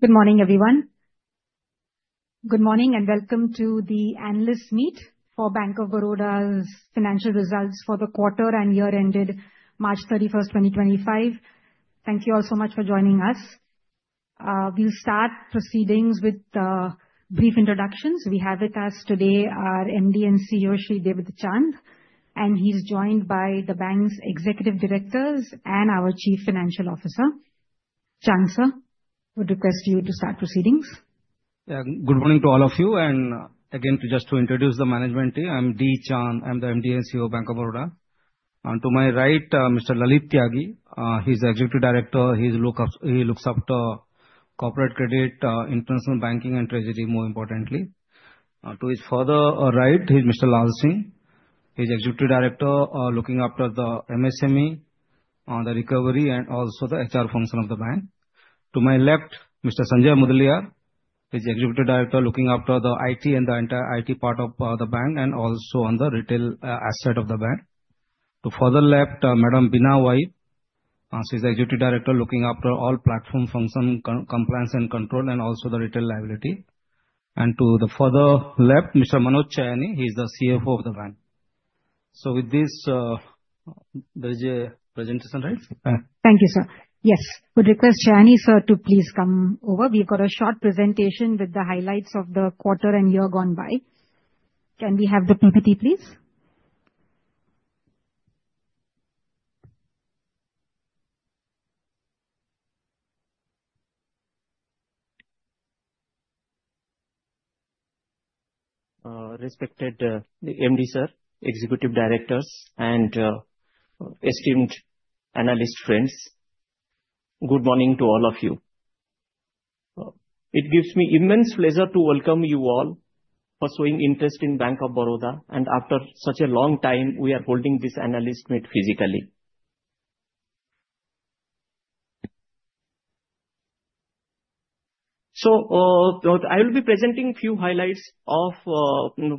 Good morning, everyone. Good morning, and welcome to the analyst meet for Bank of Baroda's Financial results for the Quarter and year ended March 31, 2025. Thank you all so much for joining us. We'll start proceedings with a brief introduction. We have with us today our MD and CEO, Sri Debadatta Chand, and he's joined by the bank's Executive Directors and our Chief Financial Officer, Chand sir. I would request you to start proceedings. Good morning to all of you. Just to introduce the management team, I'm D. Chand. I'm the MD and CEO of Bank of Baroda. To my right, Mr. Lalit Tyagi. He's the Executive Director. He looks after corporate credit, international banking, and treasury, more importantly. To his further right, Mr. Lalit Singh. He's the Executive Director, looking after the MSME, the recovery, and also the HR function of the bank. To my left, Mr. Sanjay Mudaliar. He's the Executive Director, looking after the IT and the entire IT part of the bank, and also on the retail asset of the bank. To further left, Madam Beena Vaheed. She's the Executive Director, looking after all platform function, compliance, and control, and also the retail liability. To the further left, Mr. Manoj Chayani. He's the CFO of the bank. With this, there is a presentation, right? Thank you, sir. Yes, would request Chayani sir to please come over. We've got a short presentation with the highlights of the quarter and year gone by. Can we have the PPT, please? Respected MD sir, Executive Directors, and esteemed analyst friends, good morning to all of you. It gives me immense pleasure to welcome you all for showing interest in Bank of Baroda. After such a long time, we are holding this analyst meet physically. I will be presenting a few highlights of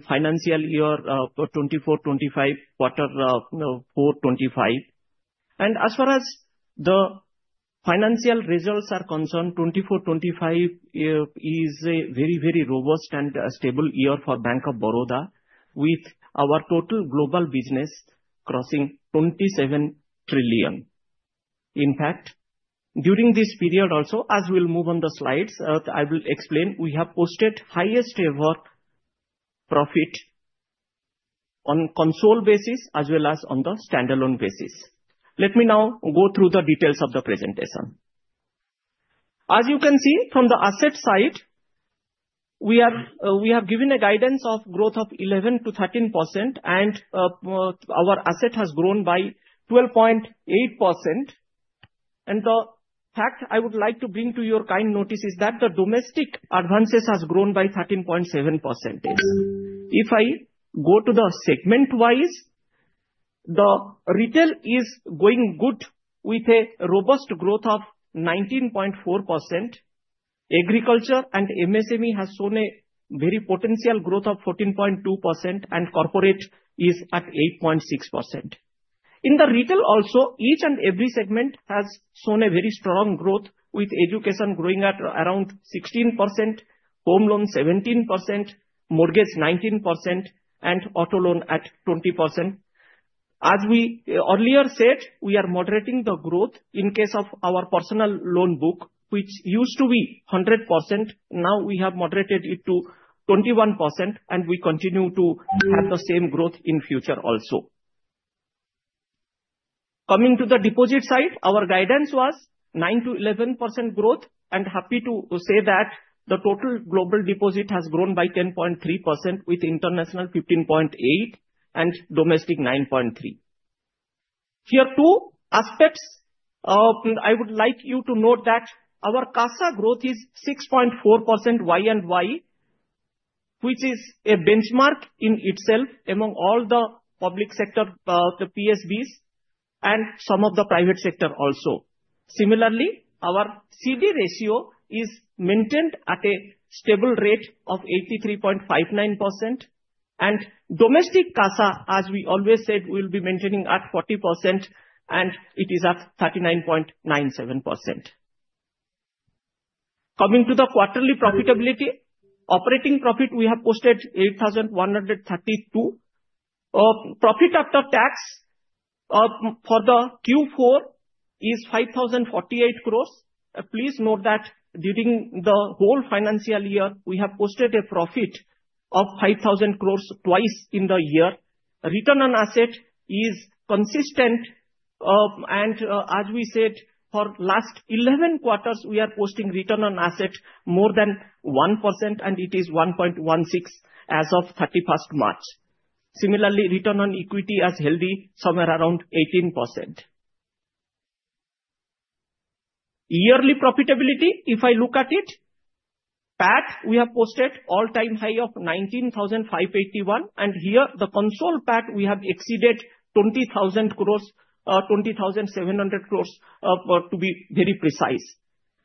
financial year 2024-2025, quarter 4-2025. As far as the financial results are concerned, 2024-2025 is a very, very robust and stable year for Bank of Baroda, with our total global business crossing 27 trillion. In fact, during this period also, as we will move on the slides, I will explain, we have posted highest-ever profit on console basis as well as on the standalone basis. Let me now go through the details of the presentation. As you can see, from the asset side, we have given a guidance of growth of 11%-13%, and our asset has grown by 12.8%. The fact I would like to bring to your kind notice is that the domestic advances have grown by 13.7%. If I go to the segment-wise, the retail is going good with a robust growth of 19.4%. Agriculture and MSME have shown a very potential growth of 14.2%, and corporate is at 8.6%. In the retail also, each and every segment has shown a very strong growth, with education growing at around 16%, home loan 17%, mortgage 19%, and auto loan at 20%. As we earlier said, we are moderating the growth in case of our personal loan book, which used to be 100%. Now we have moderated it to 21%, and we continue to have the same growth in future also. Coming to the deposit side, our guidance was 9%-11% growth, and happy to say that the total global deposit has grown by 10.3%, with international 15.8% and domestic 9.3%. Here are two aspects. I would like you to note that our CASA growth is 6.4% Y&Y, which is a benchmark in itself among all the public sector, the PSBs, and some of the private sector also. Similarly, our CD ratio is maintained at a stable rate of 83.59%, and domestic CASA, as we always said, we'll be maintaining at 40%, and it is at 39.97%. Coming to the quarterly profitability, operating profit we have posted 8,132. Profit after tax for the Q4 is 5,048 crore. Please note that during the whole financial year, we have posted a profit of 5,000 crore twice in the year. Return on asset is consistent, and as we said, for the last 11 quarters, we are posting return on asset more than 1%, and it is 1.16% as of 31 March. Similarly, return on equity is healthy, somewhere around 18%. Yearly profitability, if I look at it, PAT we have posted all-time high of 19,581, and here the console PAT we have exceeded 20,700 to be very precise.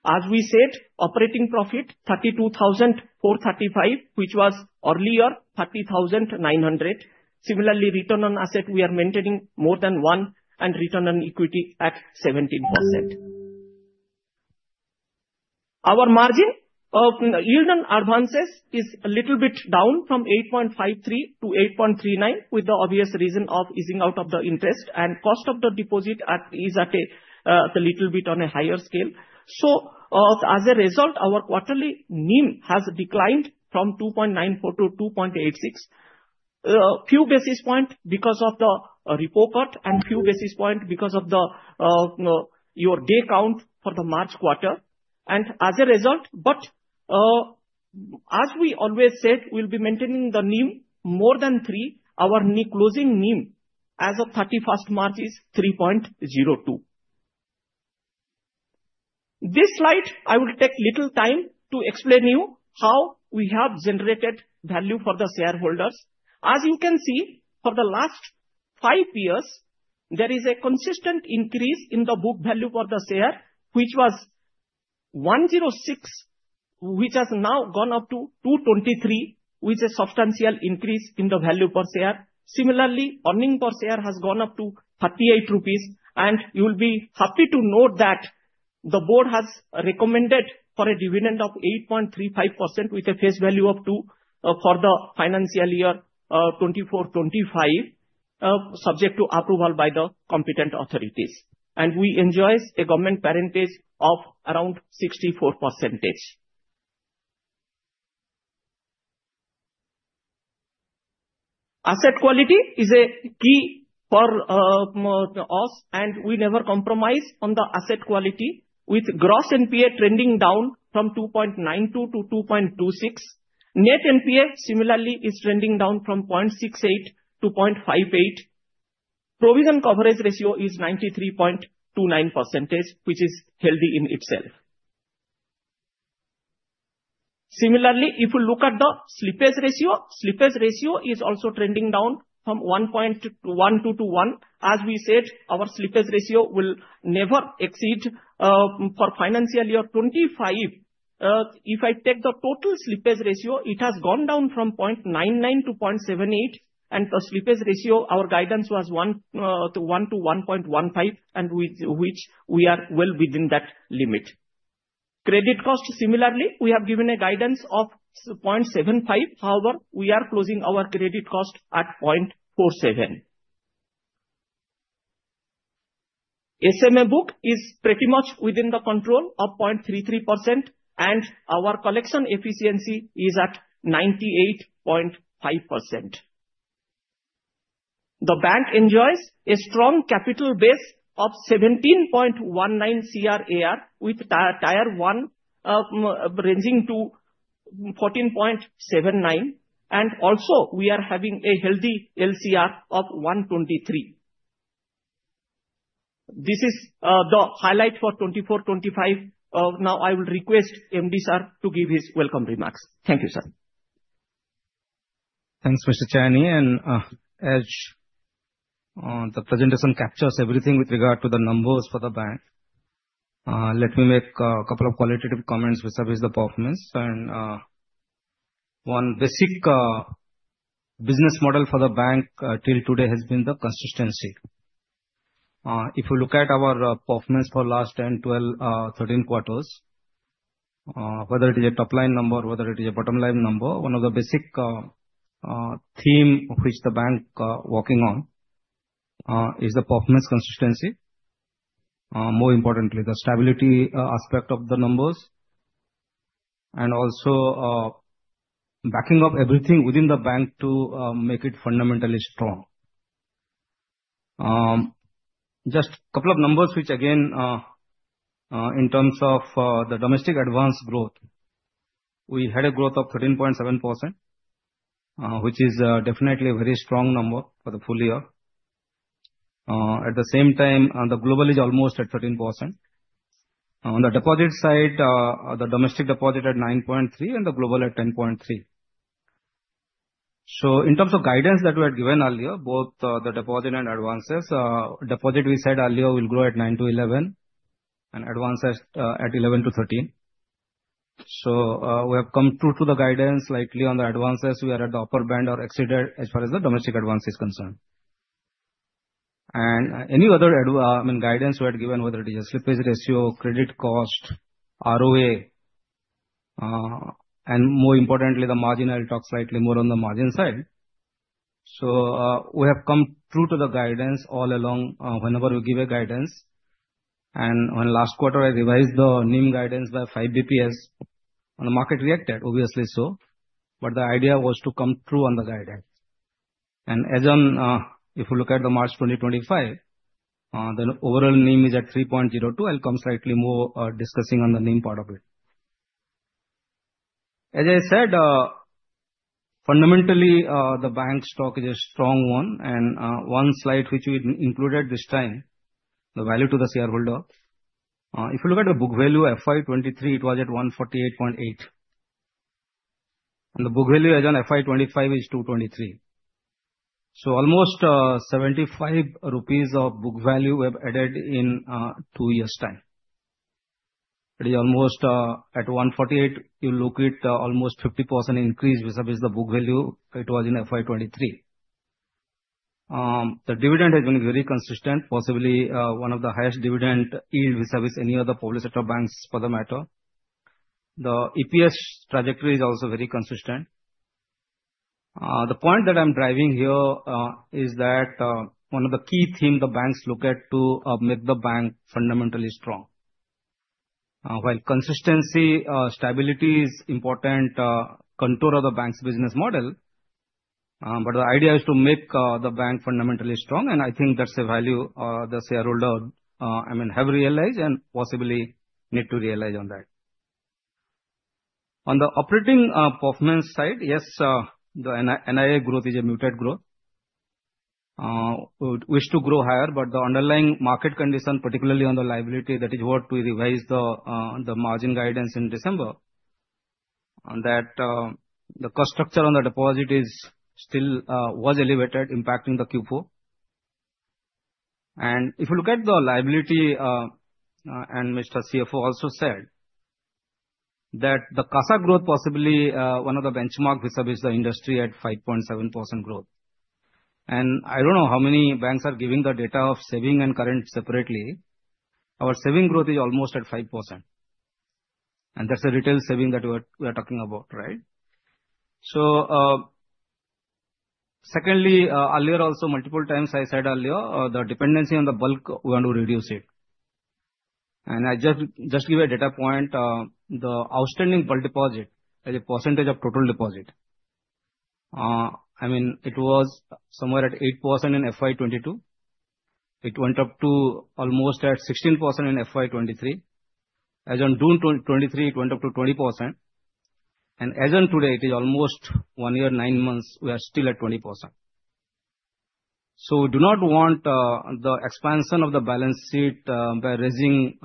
As we said, operating profit 32,435, which was earlier 30,900. Similarly, return on asset we are maintaining more than 1, and return on equity at 17%. Our margin of yield on advances is a little bit down from 8.53% to 8.39%, with the obvious reason of easing out of the interest, and cost of the deposit is at a little bit on a higher scale. As a result, our quarterly NIM has declined from 2.94% to 2.86%, a few basis points because of the repo cut and a few basis points because of your day count for the March quarter. As we always said, we will be maintaining the NIM more than 3%. Our closing NIM as of 31 March is 3.02%. This slide, I will take a little time to explain to you how we have generated value for the shareholders. As you can see, for the last five years, there is a consistent increase in the book value for the share, which was 106, which has now gone up to 223, which is a substantial increase in the value per share. Similarly, earning per share has gone up to 38 rupees, and you'll be happy to note that the board has recommended for a dividend of 8.35% with a face value of 2 for the financial year 2024-2025, subject to approval by the competent authorities. We enjoy a government percentage of around 64%. Asset quality is a key for us, and we never compromise on the asset quality, with gross NPA trending down from 2.92% to 2.26%. Net NPA, similarly, is trending down from 0.68% to 0.58%. Provision coverage ratio is 93.29%, which is healthy in itself. Similarly, if we look at the slippage ratio, slippage ratio is also trending down from 1.12% to 1. As we said, our slippage ratio will never exceed for financial year 2025. If I take the total slippage ratio, it has gone down from 0.99% to 0.78%, and the slippage ratio, our guidance was 1-1.15%, and with which we are well within that limit. Credit cost, similarly, we have given a guidance of 0.75%. However, we are closing our credit cost at 0.47%. SMA book is pretty much within the control of 0.33%, and our collection efficiency is at 98.5%. The bank enjoys a strong capital base of 17.19 billion, with tier one ranging to 14.79%, and also we are having a healthy LCR of 123%. This is the highlight for 2024-2025. Now I will request MD sir to give his welcome remarks. Thank you, sir. Thanks, Mr. Chayani. As the presentation captures everything with regard to the numbers for the bank, let me make a couple of qualitative comments with service to the performance. One basic business model for the bank till today has been the consistency. If we look at our performance for the last 10, 12, 13 quarters, whether it is a top-line number, whether it is a bottom-line number, one of the basic themes which the bank is working on is the performance consistency. More importantly, the stability aspect of the numbers and also backing of everything within the bank to make it fundamentally strong. Just a couple of numbers, which again, in terms of the domestic advance growth, we had a growth of 13.7%, which is definitely a very strong number for the full year. At the same time, the global is almost at 13%. On the deposit side, the domestic deposit at 9.3% and the global at 10.3%. In terms of guidance that we had given earlier, both the deposit and advances, deposit we said earlier will grow at 9-11% and advances at 11-13%. We have come true to the guidance. Likely on the advances, we are at the upper band or exceeded as far as the domestic advance is concerned. Any other guidance we had given, whether it is a slippage ratio, credit cost, ROA, and more importantly, the marginal talk slightly more on the margin side. We have come true to the guidance all along whenever we give a guidance. When last quarter, I revised the NIM guidance by 5 bps, and the market reacted, obviously so. The idea was to come true on the guidance. If we look at March 2025, the overall NIM is at 3.02. I'll come slightly more discussing on the NIM part of it. As I said, fundamentally, the bank stock is a strong one. One slide which we included this time, the value to the shareholder. If you look at the book value, FY 2023, it was at 148.8. The book value as on FY 2025 is 223. So almost 75 rupees of book value we have added in two years' time. It is almost at 148. You look at almost 50% increase vis-à-vis the book value. It was in FY 2023. The dividend has been very consistent, possibly one of the highest dividend yields vis-à-vis any other public sector banks for the matter. The EPS trajectory is also very consistent. The point that I'm driving here is that one of the key themes the banks look at to make the bank fundamentally strong. While consistency, stability is important, contour of the bank's business model. The idea is to make the bank fundamentally strong. I think that's a value the shareholder, I mean, have realized and possibly need to realize on that. On the operating performance side, yes, the NIA growth is a muted growth. It wished to grow higher, but the underlying market condition, particularly on the liability, that is what we revised the margin guidance in December, that the cost structure on the deposit is still was elevated, impacting the Q4. If you look at the liability, and Mr. CFO also said that the CASA growth, possibly one of the benchmark vis-à-vis the industry at 5.7% growth. I do not know how many banks are giving the data of saving and current separately. Our saving growth is almost at 5%. That is a retail saving that we are talking about, right? Secondly, earlier also, multiple times I said earlier, the dependency on the bulk, we want to reduce it. I just give a data point, the outstanding bulk deposit as a percentage of total deposit. I mean, it was somewhere at 8% in FY 2022. It went up to almost 16% in FY 2023. As on June 2023, it went up to 20%. As on today, it is almost one year, nine months, we are still at 20%. We do not want the expansion of the balance sheet by raising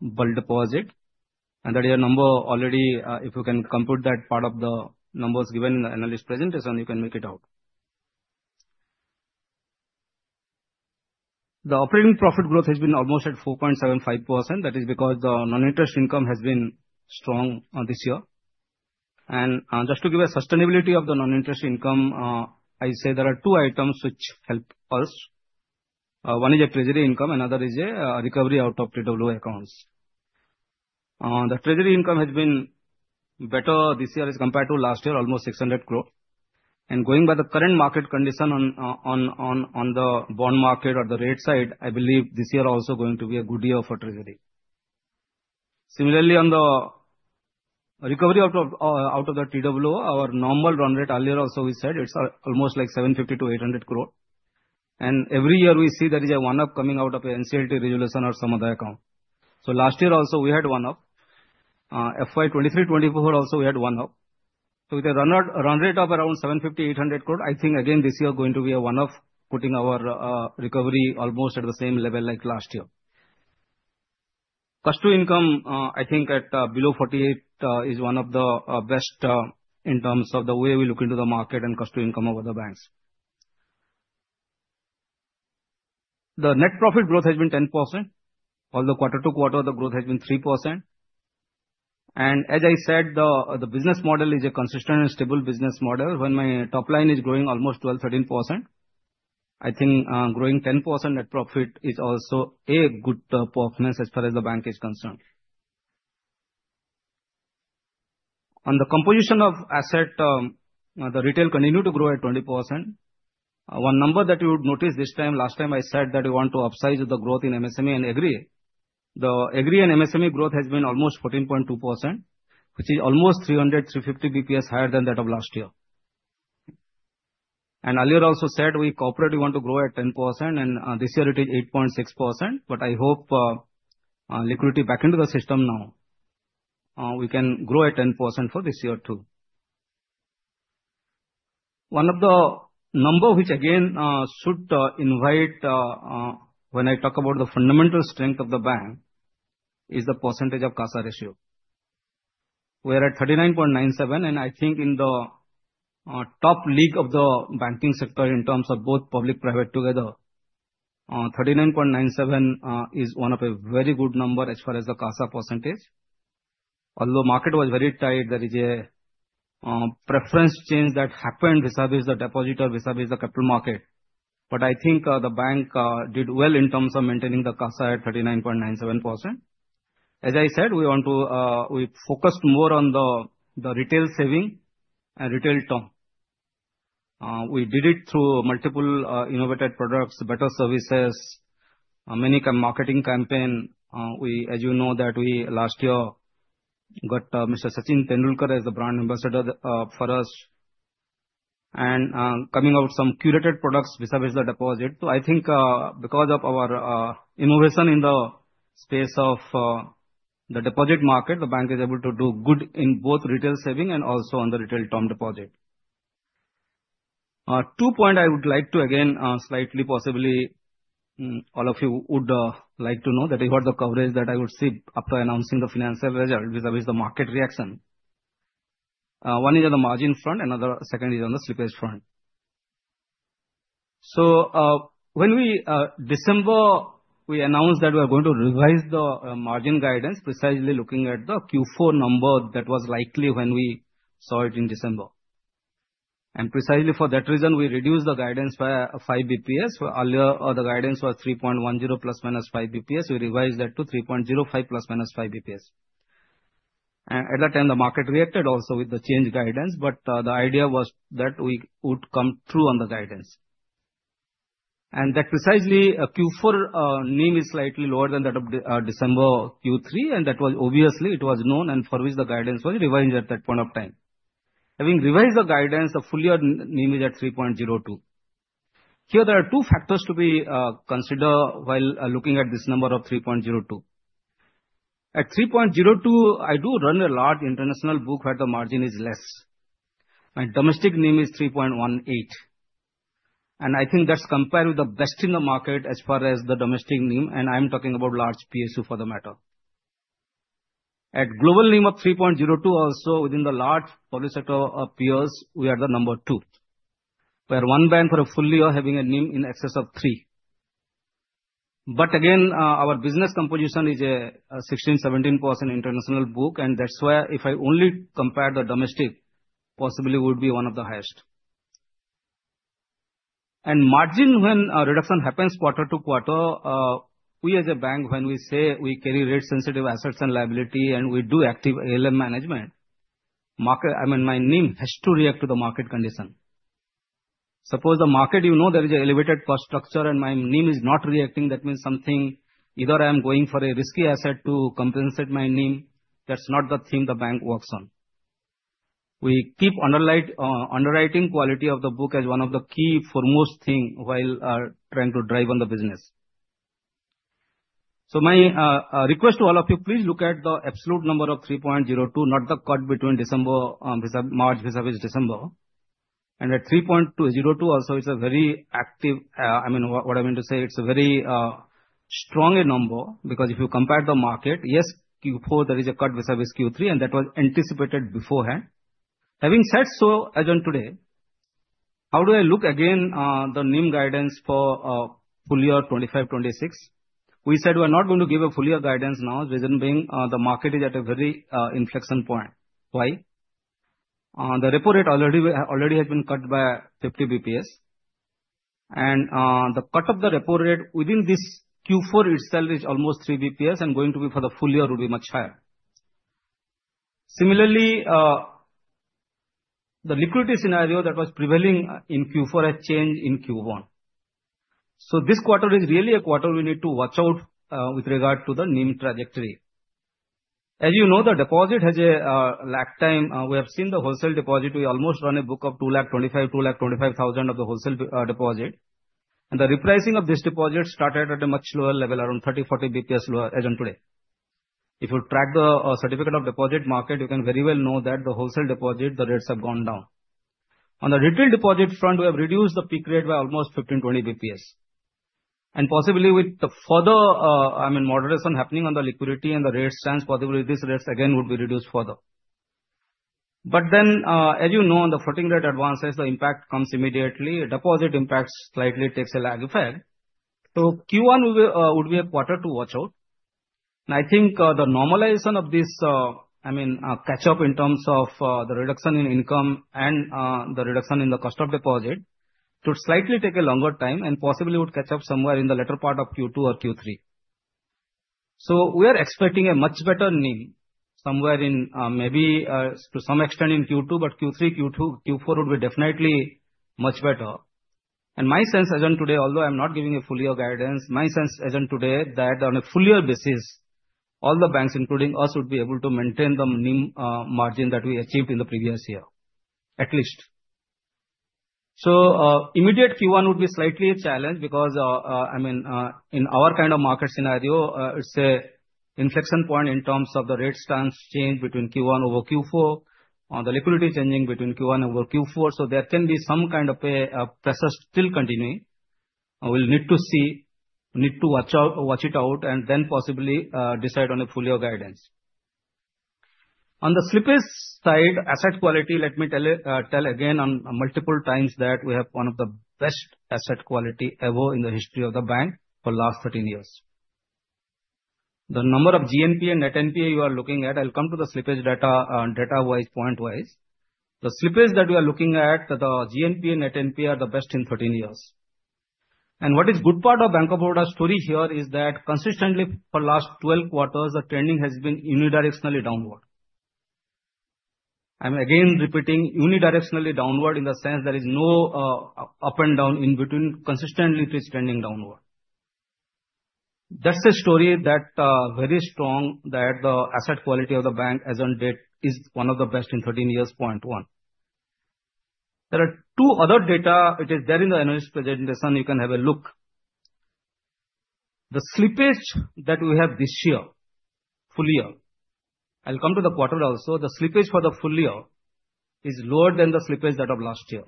bulk deposit. That is a number already. If you can compute that part of the numbers given in the analyst presentation, you can make it out. The operating profit growth has been almost at 4.75%. That is because the non-interest income has been strong this year. Just to give a sustainability of the non-interest income, I'd say there are two items which help us. One is a treasury income, and another is a recovery out of OW accounts. The treasury income has been better this year as compared to last year, almost 600 crore. Going by the current market condition on the bond market or the rate side, I believe this year also is going to be a good year for treasury. Similarly, on the recovery out of the OW, our normal run rate earlier also we said is almost like 750-800 crore. Every year we see there is a one-up coming out of an NCLT resolution or some other account. Last year also we had one-up. FY 2023-2024 also we had one-up. With a run rate of around 750-800 crore, I think again this year is going to be a one-up, putting our recovery almost at the same level like last year. Cost to income, I think at below 48% is one of the best in terms of the way we look into the market and cost to income over the banks. The net profit growth has been 10%. Although quarter to quarter, the growth has been 3%. As I said, the business model is a consistent and stable business model. When my top line is growing almost 12%-13%, I think growing 10% net profit is also a good performance as far as the bank is concerned. On the composition of asset, the retail continued to grow at 20%. One number that you would notice this time, last time I said that we want to upsize the growth in MSME and agri. The agri and MSME growth has been almost 14.2%, which is almost 300-350 basis points higher than that of last year. I earlier also said we corporate we want to grow at 10%, and this year it is 8.6%. I hope liquidity back into the system now. We can grow at 10% for this year too. One of the numbers which again should invite when I talk about the fundamental strength of the bank is the percentage of CASA ratio. We are at 39.97, and I think in the top league of the banking sector in terms of both public-private together, 39.97 is one of a very good number as far as the CASA percentage. Although market was very tight, there is a preference change that happened vis-à-vis the deposit or vis-à-vis the capital market. I think the bank did well in terms of maintaining the CASA at 39.97%. As I said, we want to we focused more on the retail saving and retail term. We did it through multiple innovative products, better services, many marketing campaign. As you know that we last year got Mr. Sachin Tendulkar as the brand ambassador for us. Coming out some curated products vis-à-vis the deposit. I think because of our innovation in the space of the deposit market, the bank is able to do good in both retail saving and also on the retail term deposit. Two point I would like to again slightly possibly all of you would like to know that is what the coverage that I would see after announcing the financial result vis-à-vis the market reaction. One is on the margin front, another second is on the slippage front. When we December, we announced that we are going to revise the margin guidance, precisely looking at the Q4 number that was likely when we saw it in December. Precisely for that reason, we reduced the guidance by 5 basis points. Earlier, the guidance was 3.10 ± 5 bps. We revised that to 3.05 ± 5 bps. At that time, the market reacted also with the change guidance, but the idea was that we would come true on the guidance. That precisely Q4 NIM is slightly lower than that of December Q3, and that was obviously it was known and for which the guidance was revised at that point of time. Having revised the guidance, the full year NIM is at 3.02. Here there are two factors to be considered while looking at this number of 3.02. At 3.02, I do run a large international book where the margin is less. My domestic NIM is 3.18. I think that's compared with the best in the market as far as the domestic NIM, and I'm talking about large PSU for the matter. At global NIM of 3.02, also within the large public sector peers, we are the number two. We are one bank for a full year having a NIM in excess of 3. Again, our business composition is a 16-17% international book, and that's why if I only compare the domestic, possibly would be one of the highest. Margin when reduction happens quarter to quarter, we as a bank, when we say we carry rate-sensitive assets and liability and we do active ALM management, I mean, my NIM has to react to the market condition. Suppose the market, you know, there is an elevated cost structure and my NIM is not reacting, that means something either I am going for a risky asset to compensate my NIM. That's not the theme the bank works on. We keep underwriting quality of the book as one of the key foremost things while trying to drive on the business. My request to all of you, please look at the absolute number of 3.02, not the cut between December, March, vis-à-vis December. At 3.02 also, it's a very active, I mean, what I mean to say, it's a very strong number because if you compare the market, yes, Q4 there is a cut vis-à-vis Q3, and that was anticipated beforehand. Having said so, as on today, how do I look again at the NIM guidance for full year 2025-2026? We said we are not going to give a full year guidance now, the reason being the market is at a very inflection point. Why? The repo rate already has been cut by 50 basis points. The cut of the repo rate within this Q4 itself is almost 3 basis points and going to be for the full year would be much higher. Similarly, the liquidity scenario that was prevailing in Q4 has changed in Q1. This quarter is really a quarter we need to watch out with regard to the NIM trajectory. As you know, the deposit has a lag time. We have seen the wholesale deposit, we almost run a book of 225,000 of the wholesale deposit. The repricing of this deposit started at a much lower level, around 30-40 basis points lower as on today. If you track the certificate of deposit market, you can very well know that the wholesale deposit, the rates have gone down. On the retail deposit front, we have reduced the peak rate by almost 15-20 basis points. Possibly with the further, I mean, moderation happening on the liquidity and the rate stance, possibly these rates again would be reduced further. As you know, on the floating rate advances, the impact comes immediately. Deposit impacts slightly take a lag effect. Q1 would be a quarter to watch out. I think the normalization of this, I mean, catch-up in terms of the reduction in income and the reduction in the cost of deposit could slightly take a longer time and possibly would catch up somewhere in the latter part of Q2 or Q3. We are expecting a much better NIM somewhere in maybe to some extent in Q2, but Q3, Q2, Q4 would be definitely much better. My sense as on today, although I'm not giving a full year guidance, my sense as on today that on a full year basis, all the banks including us would be able to maintain the NIM margin that we achieved in the previous year, at least. Immediate Q1 would be slightly a challenge because, I mean, in our kind of market scenario, it's an inflection point in terms of the rate stance change between Q1 over Q4, the liquidity changing between Q1 over Q4. There can be some kind of a pressure still continuing. We'll need to see, need to watch it out and then possibly decide on a full year guidance. On the slippage side, asset quality, let me tell again on multiple times that we have one of the best asset quality ever in the history of the bank for the last 13 years. The number of GNPA and Net NPA you are looking at, I'll come to the slippage data data wise, point wise. The slippage that we are looking at, the GNPA and Net NPA are the best in 13 years. What is good part of Bank of Baroda story here is that consistently for the last 12 quarters, the trending has been unidirectionally downward. I'm again repeating, unidirectionally downward in the sense there is no up and down in between, consistently it is trending downward. That's a story that is very strong, that the asset quality of the bank as on date is one of the best in 13 years, point one. There are two other data, it is there in the analyst presentation, you can have a look. The slippage that we have this year, full year, I'll come to the quarter also, the slippage for the full year is lower than the slippage that of last year.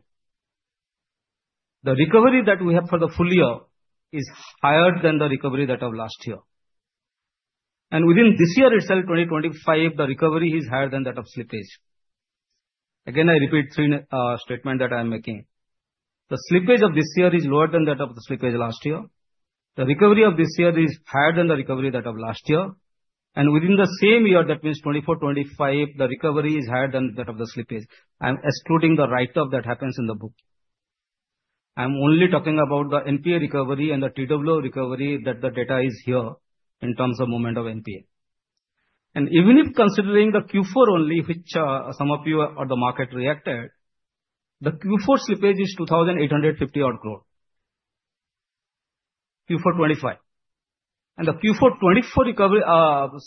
The recovery that we have for the full year is higher than the recovery that of last year. Within this year itself, 2025, the recovery is higher than that of slippage. Again, I repeat three statement that I'm making. The slippage of this year is lower than that of the slippage last year. The recovery of this year is higher than the recovery that of last year. Within the same year, that means 2024-2025, the recovery is higher than that of the slippage. I'm excluding the write-off that happens in the book. I'm only talking about the NPA recovery and the OW recovery that the data is here in terms of moment of NPA. Even if considering the Q4 only, which some of you are the market reacted, the Q4 slippage is INR 2,850 crore odd. Q4 2025. The Q4 2024 recovery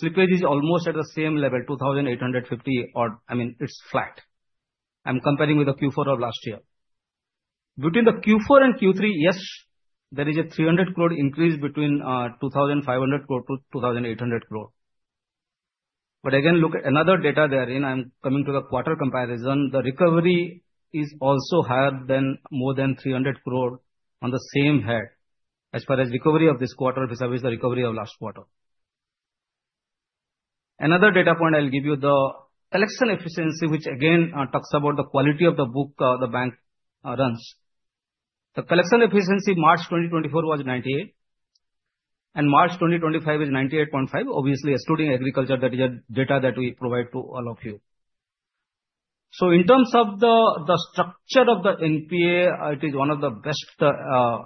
slippage is almost at the same level, 2,850 crore odd, I mean, it's flat. I'm comparing with the Q4 of last year. Between the Q4 and Q3, yes, there is a 300 crore increase between 2,500 crore - 2,800 crore. Again, look at another data therein, I'm coming to the quarter comparison, the recovery is also higher than more than 300 crore on the same head as far as recovery of this quarter vis-à-vis the recovery of last quarter. Another data point I'll give you, the collection efficiency, which again talks about the quality of the book the bank runs. The collection efficiency March 2024 was 98. And March 2025 is 98.5, obviously excluding agriculture, that is a data that we provide to all of you. In terms of the structure of the NPA, it is one of the best,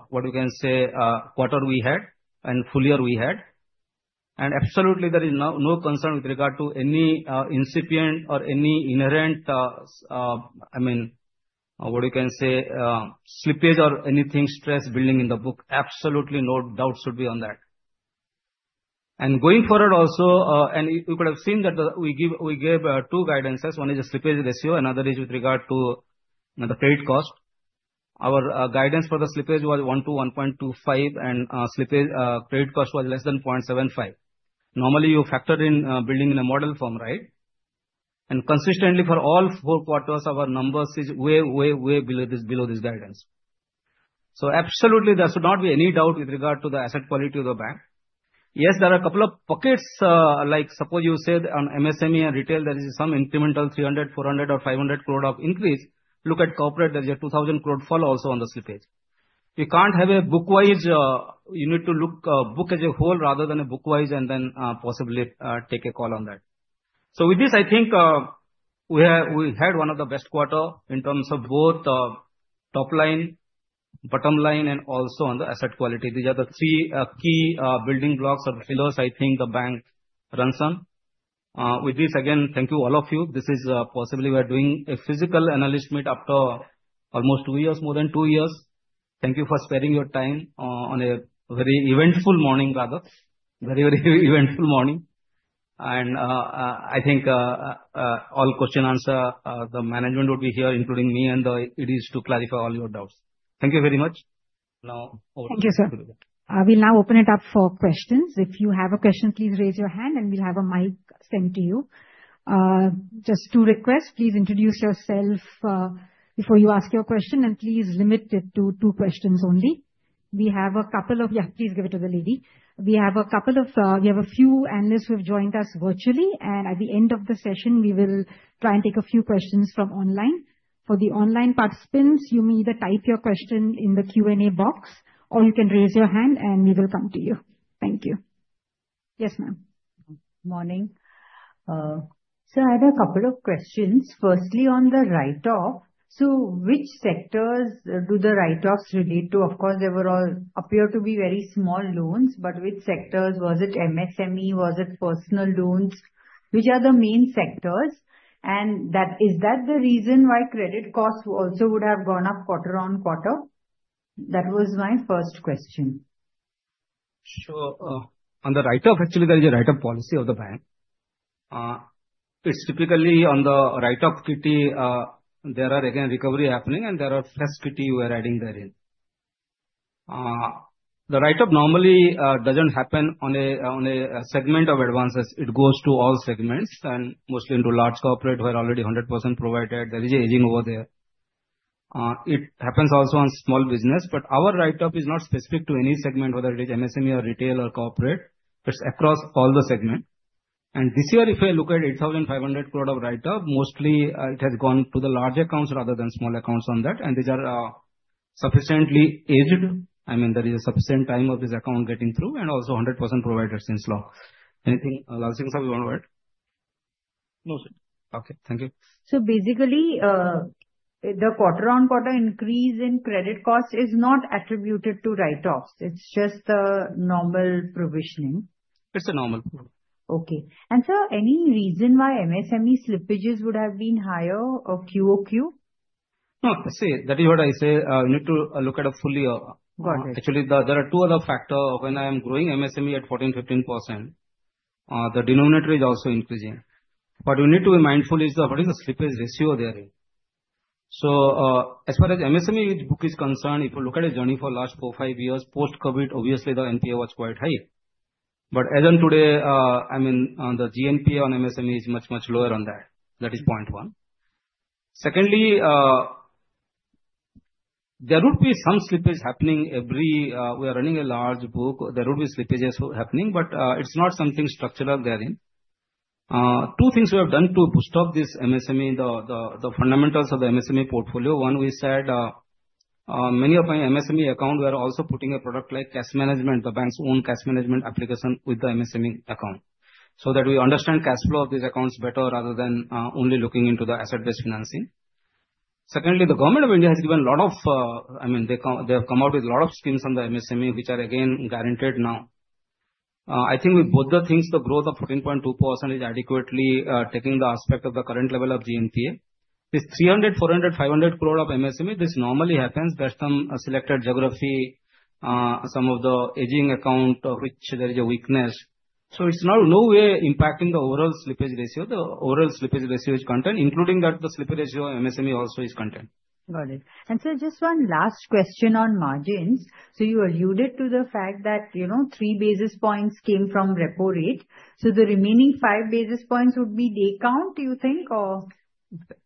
what you can say, quarter we had and full year we had. There is absolutely no concern with regard to any incipient or any inherent, I mean, what you can say, slippage or anything stress building in the book, absolutely no doubt should be on that. Going forward also, and you could have seen that we gave two guidances. One is a slippage ratio, another is with regard to the credit cost. Our guidance for the slippage was 1-1.25% and credit cost was less than 0.75%. Normally you factor in building in a model form, right? Consistently for all four quarters, our numbers are way, way, way below this guidance. Absolutely there should not be any doubt with regard to the asset quality of the bank. Yes, there are a couple of pockets, like suppose you said on MSME and retail, there is some incremental 300 crore, 400 crore, or 500 crore of increase. Look at corporate, there is a 2,000 crore fall also on the slippage. You can't have a book-wise, you need to look at the book as a whole rather than a book-wise and then possibly take a call on that. With this, I think we had one of the best quarters in terms of both top line, bottom line, and also on the asset quality. These are the three key building blocks or pillars I think the bank runs on. With this, again, thank you all of you. This is possibly we are doing a physical analyst meet after almost two years, more than two years. Thank you for sparing your time on a very eventful morning, rather, very, very eventful morning. I think all question answer, the management would be here, including me and the IDs to clarify all your doubts. Thank you very much. Now over. Thank you, sir. I will now open it up for questions. If you have a question, please raise your hand and we'll have a mic sent to you. Just two requests, please introduce yourself before you ask your question and please limit it to two questions only. We have a couple of, yeah, please give it to the lady. We have a couple of, we have a few analysts who have joined us virtually, and at the end of the session, we will try and take a few questions from online. For the online participants, you may either type your question in the Q&A box or you can raise your hand and we will come to you. Thank you. Yes, ma'am. Good morning. I have a couple of questions. Firstly, on the write-off, which sectors do the write-offs relate to? Of course, they were all appear to be very small loans, but which sectors? Was it MSME? Was it personal loans? Which are the main sectors? Is that the reason why credit cost also would have gone up quarter on quarter? That was my first question. Sure. On the write-off, actually, there is a write-off policy of the bank. It's typically on the write-off KT, there are again recovery happening and there are flash KT you are adding therein. The write-off normally doesn't happen on a segment of advances. It goes to all segments and mostly into large corporate where already 100% provided. There is an aging over there. It happens also on small business, but our write-off is not specific to any segment, whether it is MSME or retail or corporate. It's across all the segment. This year, if I look at 8,500 crore of write-off, mostly it has gone to the large accounts rather than small accounts on that. These are sufficiently aged. I mean, there is a sufficient time of this account getting through and also 100% provided since law. Anything else you want to add? No, sir. Okay, thank you. Basically, the quarter on quarter increase in credit cost is not attributed to write-offs. It is just the normal provisioning. It is a normal provision. Okay. Sir, any reason why MSME slippages would have been higher or QOQ? No, see, that is what I say. You need to look at it fully. Got it. Actually, there are two other factors. When I am growing MSME at 14-15%, the denominator is also increasing. What we need to be mindful is what is the slippage ratio therein. As far as MSME book is concerned, if you look at a journey for the last four, five years, post-COVID, obviously the NPA was quite high. As on today, I mean, the GNPA on MSME is much, much lower on that. That is point one. Secondly, there would be some slippage happening every we are running a large book, there would be slippages happening, but it's not something structural therein. Two things we have done to boost up this MSME, the fundamentals of the MSME portfolio. One, we said many of my MSME account were also putting a product like cash management, the bank's own cash management application with the MSME account. That way we understand cash flow of these accounts better rather than only looking into the asset-based financing. Secondly, the government of India has given a lot of, I mean, they have come out with a lot of schemes on the MSME, which are again guaranteed now. I think with both the things, the growth of 14.2% is adequately taking the aspect of the current level of GNPA. This 300-400-500 crore of MSME, this normally happens based on selected geography, some of the aging account, which there is a weakness. It is now no way impacting the overall slippage ratio, the overall slippage ratio is content, including that the slippage ratio MSME also is content. Got it. Sir, just one last question on margins. You alluded to the fact that three basis points came from repo rate. The remaining five basis points would be day count, do you think, or?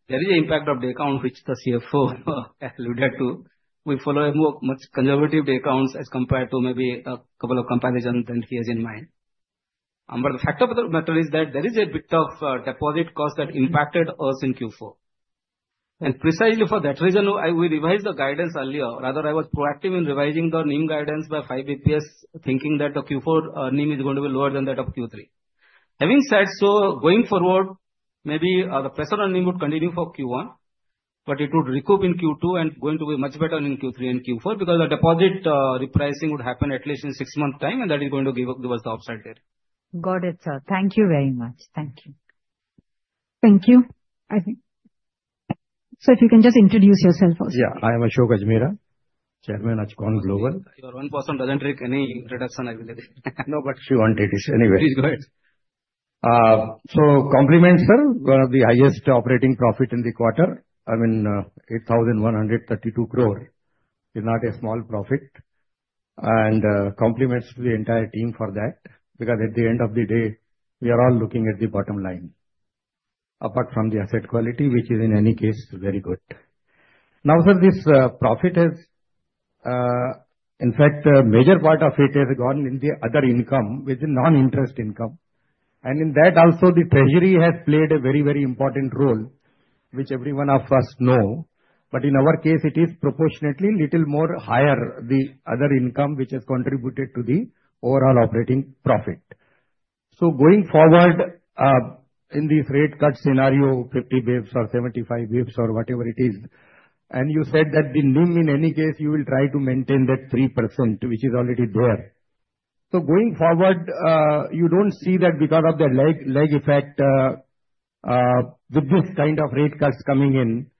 There is an impact of day count, which the CFO alluded to. We follow him with much conservative day counts as compared to maybe a couple of comparisons that he has in mind. The fact of the matter is that there is a bit of deposit cost that impacted us in Q4. Precisely for that reason, we revised the guidance earlier. Rather, I was proactive in revising the NIM guidance by five basis points, thinking that the Q4 NIM is going to be lower than that of Q3. Having said so, going forward, maybe the pressure on NIM would continue for Q1, but it would recoup in Q2 and going to be much better in Q3 and Q4 because the deposit repricing would happen at least in six months' time, and that is going to give us the upside there. Got it, sir. Thank you very much. Thank you. Thank you. I think. Sir, if you can just introduce yourself also. Yeah, I am Ashok Ajmera, Chairman Ajcon Global. Your 1% does not take any introduction, I believe. No, but she wanted it anyway. Please go ahead. Compliment, sir, one of the highest operating profit in the quarter. I mean, 8,132 crore is not a small profit. Compliments to the entire team for that because at the end of the day, we are all looking at the bottom line, apart from the asset quality, which is in any case very good. Now, sir, this profit has, in fact, a major part of it has gone in the other income, which is non-interest income. In that also, the treasury has played a very, very important role, which every one of us knows. In our case, it is proportionately a little more higher, the other income, which has contributed to the overall operating profit. Going forward in this rate cut scenario, 50 basis points or 75 basis points or whatever it is, and you said that the NIM in any case, you will try to maintain that 3%, which is already there. Going forward, you don't see that because of the lag effect with this kind of rate cuts coming in,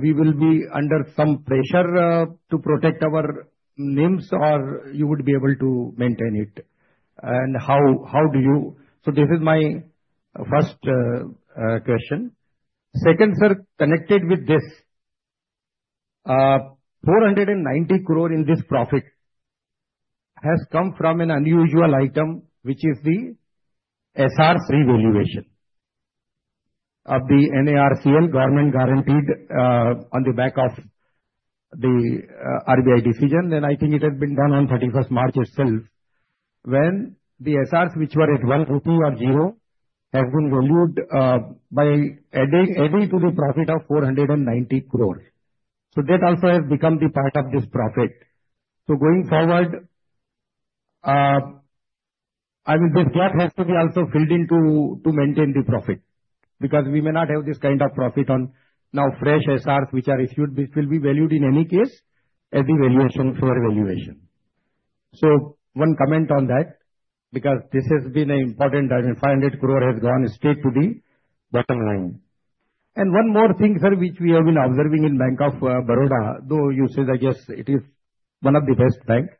we will be under some pressure to protect our NIMs or you would be able to maintain it. How do you? This is my first question. Second, sir, connected with this, 490 crore in this profit has come from an unusual item, which is the SRs revaluation of the NARCL, government guaranteed on the back of the RBI decision. I think it has been done on 31 March itself, when the SRs, which were at one rupee or zero, have been valued by adding to the profit of 490 crore. That also has become the part of this profit. Going forward, I mean, this gap has to be also filled in to maintain the profit because we may not have this kind of profit on now fresh SRs, which are issued, which will be valued in any case as the valuation for valuation. One comment on that, because this has been an important, I mean, 500 crore has gone straight to the bottom line. One more thing, sir, which we have been observing in Bank of Baroda, though you say, I guess it is one of the best banks.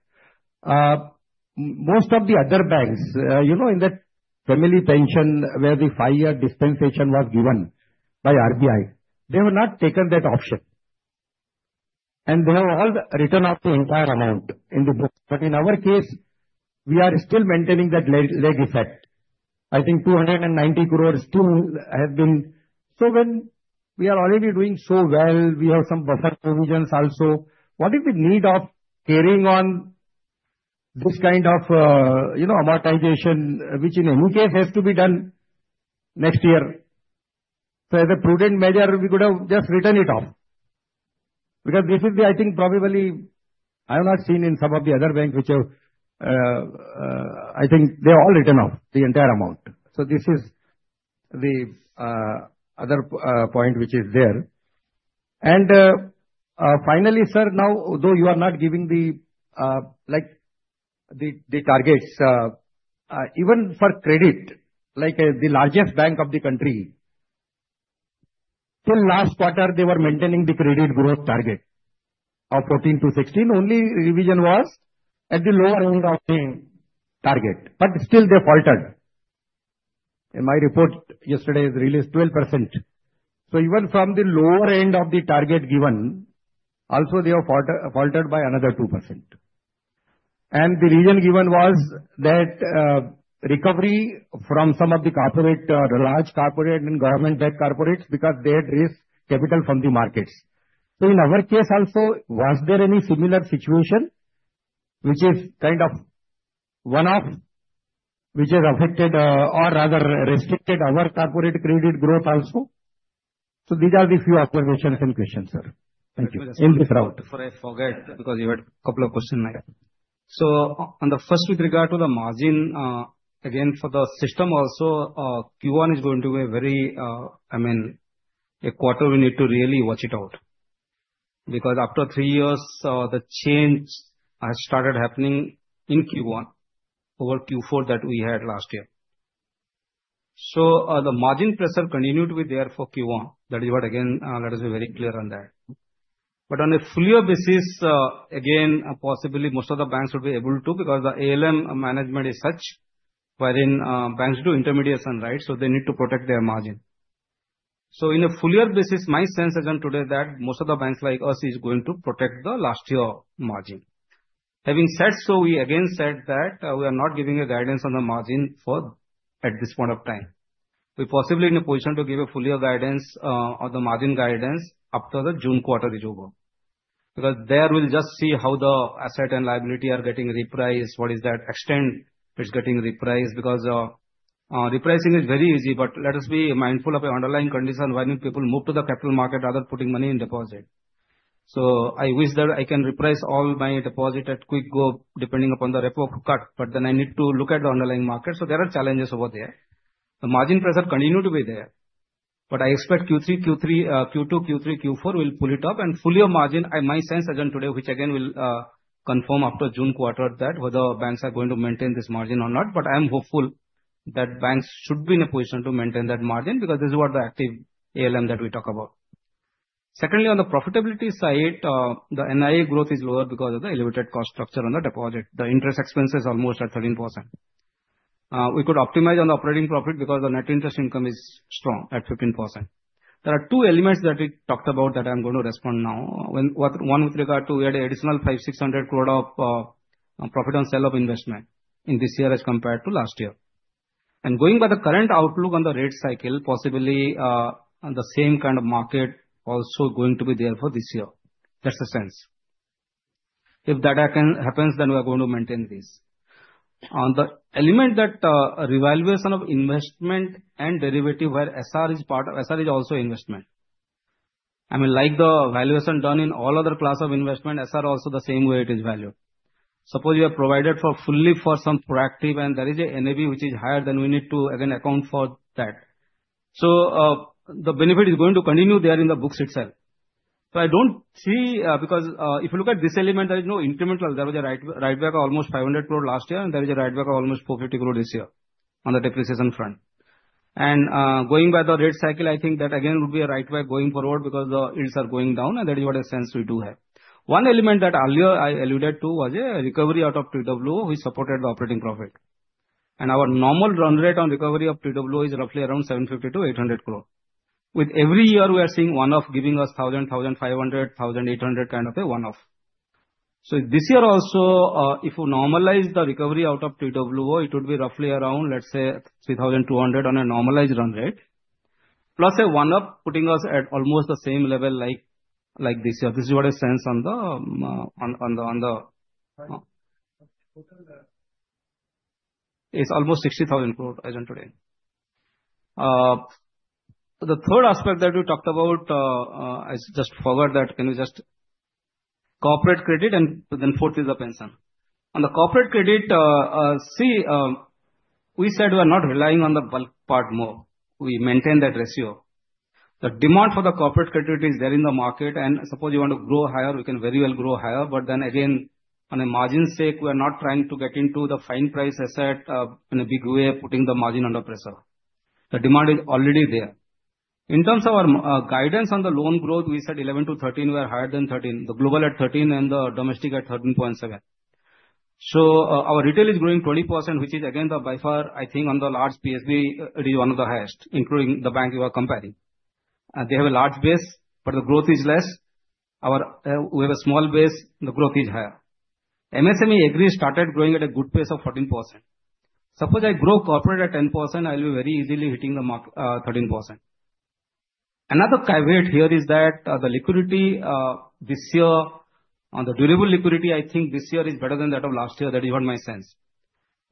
Most of the other banks, you know, in that family pension where the five-year dispensation was given by RBI, they have not taken that option. They have all written off the entire amount in the book. In our case, we are still maintaining that leg effect. I think 290 crore still has been. When we are already doing so well, we have some buffer provisions also. What is the need of carrying on this kind of amortization, which in any case has to be done next year? As a prudent measure, we could have just written it off. This is the, I think, probably I have not seen in some of the other banks, which I think they have all written off the entire amount. This is the other point which is there. Finally, sir, now, though you are not giving the targets, even for credit, like the largest bank of the country, till last quarter, they were maintaining the credit growth target of 14-16%. Only revision was at the lower end of the target. Still, they faltered. In my report yesterday, it is released 12%. Even from the lower end of the target given, also they have faltered by another 2%. The reason given was that recovery from some of the large corporate and government-backed corporates, because they had raised capital from the markets. In our case also, was there any similar situation, which is kind of one of which has affected or rather restricted our corporate credit growth also? These are the few observations and questions, sir. Thank you. In the crowd. Sorry, I forgot because you had a couple of questions in my head. On the first, with regard to the margin, again, for the system also, Q1 is going to be a very, I mean, a quarter we need to really watch it out. Because after three years, the change has started happening in Q1 over Q4 that we had last year. The margin pressure continued with there for Q1. That is what, again, let us be very clear on that. On a fuller basis, again, possibly most of the banks would be able to, because the ALM management is such wherein banks do intermediation rights, so they need to protect their margin. On a fuller basis, my sense again today that most of the banks like us is going to protect the last year margin. Having said so, we again said that we are not giving a guidance on the margin for at this point of time. We possibly in a position to give a fuller guidance on the margin guidance after the June quarter is over. Because there we'll just see how the asset and liability are getting repriced, what is that extent which is getting repriced, because repricing is very easy, but let us be mindful of the underlying condition when people move to the capital market rather than putting money in deposit. I wish that I can reprice all my deposit at quick go depending upon the repo cut, but then I need to look at the underlying market. There are challenges over there. The margin pressure continued to be there. I expect Q2, Q3, Q4 will pull it up and fully a margin, my sense again today, which again will confirm after June quarter that whether banks are going to maintain this margin or not. I am hopeful that banks should be in a position to maintain that margin because this is what the active ALM that we talk about. Secondly, on the profitability side, the NII growth is lower because of the elevated cost structure on the deposit. The interest expenses almost at 13%. We could optimize on the operating profit because the net interest income is strong at 15%. There are two elements that we talked about that I'm going to respond now. One with regard to we had an additional 5,600 crore of profit on sale of investment in this year as compared to last year. Going by the current outlook on the rate cycle, possibly the same kind of market also going to be there for this year. That's the sense. If that happens, then we are going to maintain this. On the element that revaluation of investment and derivative where SR is part of, SR is also investment. I mean, like the valuation done in all other class of investment, SR also the same way it is valued. Suppose you have provided for fully for some proactive and there is an NAV which is higher than we need to again account for that. The benefit is going to continue there in the books itself. I do not see because if you look at this element, there is no incremental. There was a right back of almost 500 crore last year and there is a right back of almost 450 crore this year on the depreciation front. Going by the rate cycle, I think that again would be a right back going forward because the yields are going down and that is what a sense we do have. One element that earlier I alluded to was a recovery out of OWO, which supported the operating profit. Our normal run rate on recovery of OWO is roughly around 750 crore-800 crore. Every year we are seeing a one-off giving us 1,000 crore, 1,500 crore, 1,800 crore kind of a one-off. This year also, if we normalize the recovery out of OWO, it would be roughly around, let's say, 3,200 crore on a normalized run rate, plus a one-off putting us at almost the same level like this year. This is what a sense on the. It's almost INR 60,000 crore as in today. The third aspect that we talked about, I just forgot that, can you just corporate credit, and then fourth is the pension. On the corporate credit, see, we said we are not relying on the bulk part more. We maintain that ratio. The demand for the corporate credit is there in the market and suppose you want to grow higher, we can very well grow higher, but then again, on a margin sake, we are not trying to get into the fine price asset in a big way, putting the margin under pressure. The demand is already there. In terms of our guidance on the loan growth, we said 11-13, were higher than 13. The global at 13 and the domestic at 13.7. Our retail is growing 20%, which is again the by far, I think on the large PSB, it is one of the highest, including the bank you are comparing. They have a large base, but the growth is less. We have a small base, the growth is higher. MSME agrees started growing at a good pace of 14%. Suppose I grow corporate at 10%, I'll be very easily hitting the 13%. Another caveat here is that the liquidity this year on the durable liquidity, I think this year is better than that of last year. That is what my sense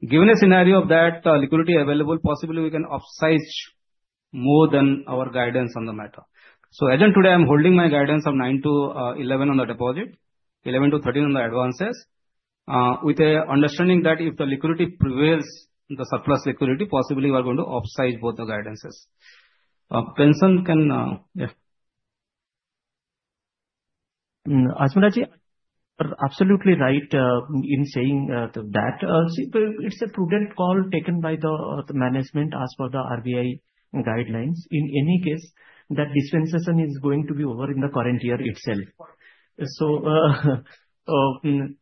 is. Given a scenario of that liquidity available, possibly we can upsize more than our guidance on the matter. As in today, I'm holding my guidance of 9-11% on the deposit, 11-13% on the advances, with the understanding that if the liquidity prevails, the surplus liquidity, possibly we are going to upsize both the guidances. Pension can, yeah. Ajmera Ji, you are absolutely right in saying that. It's a prudent call taken by the management as per the RBI guidelines. In any case, that dispensation is going to be over in the current year itself. SRs on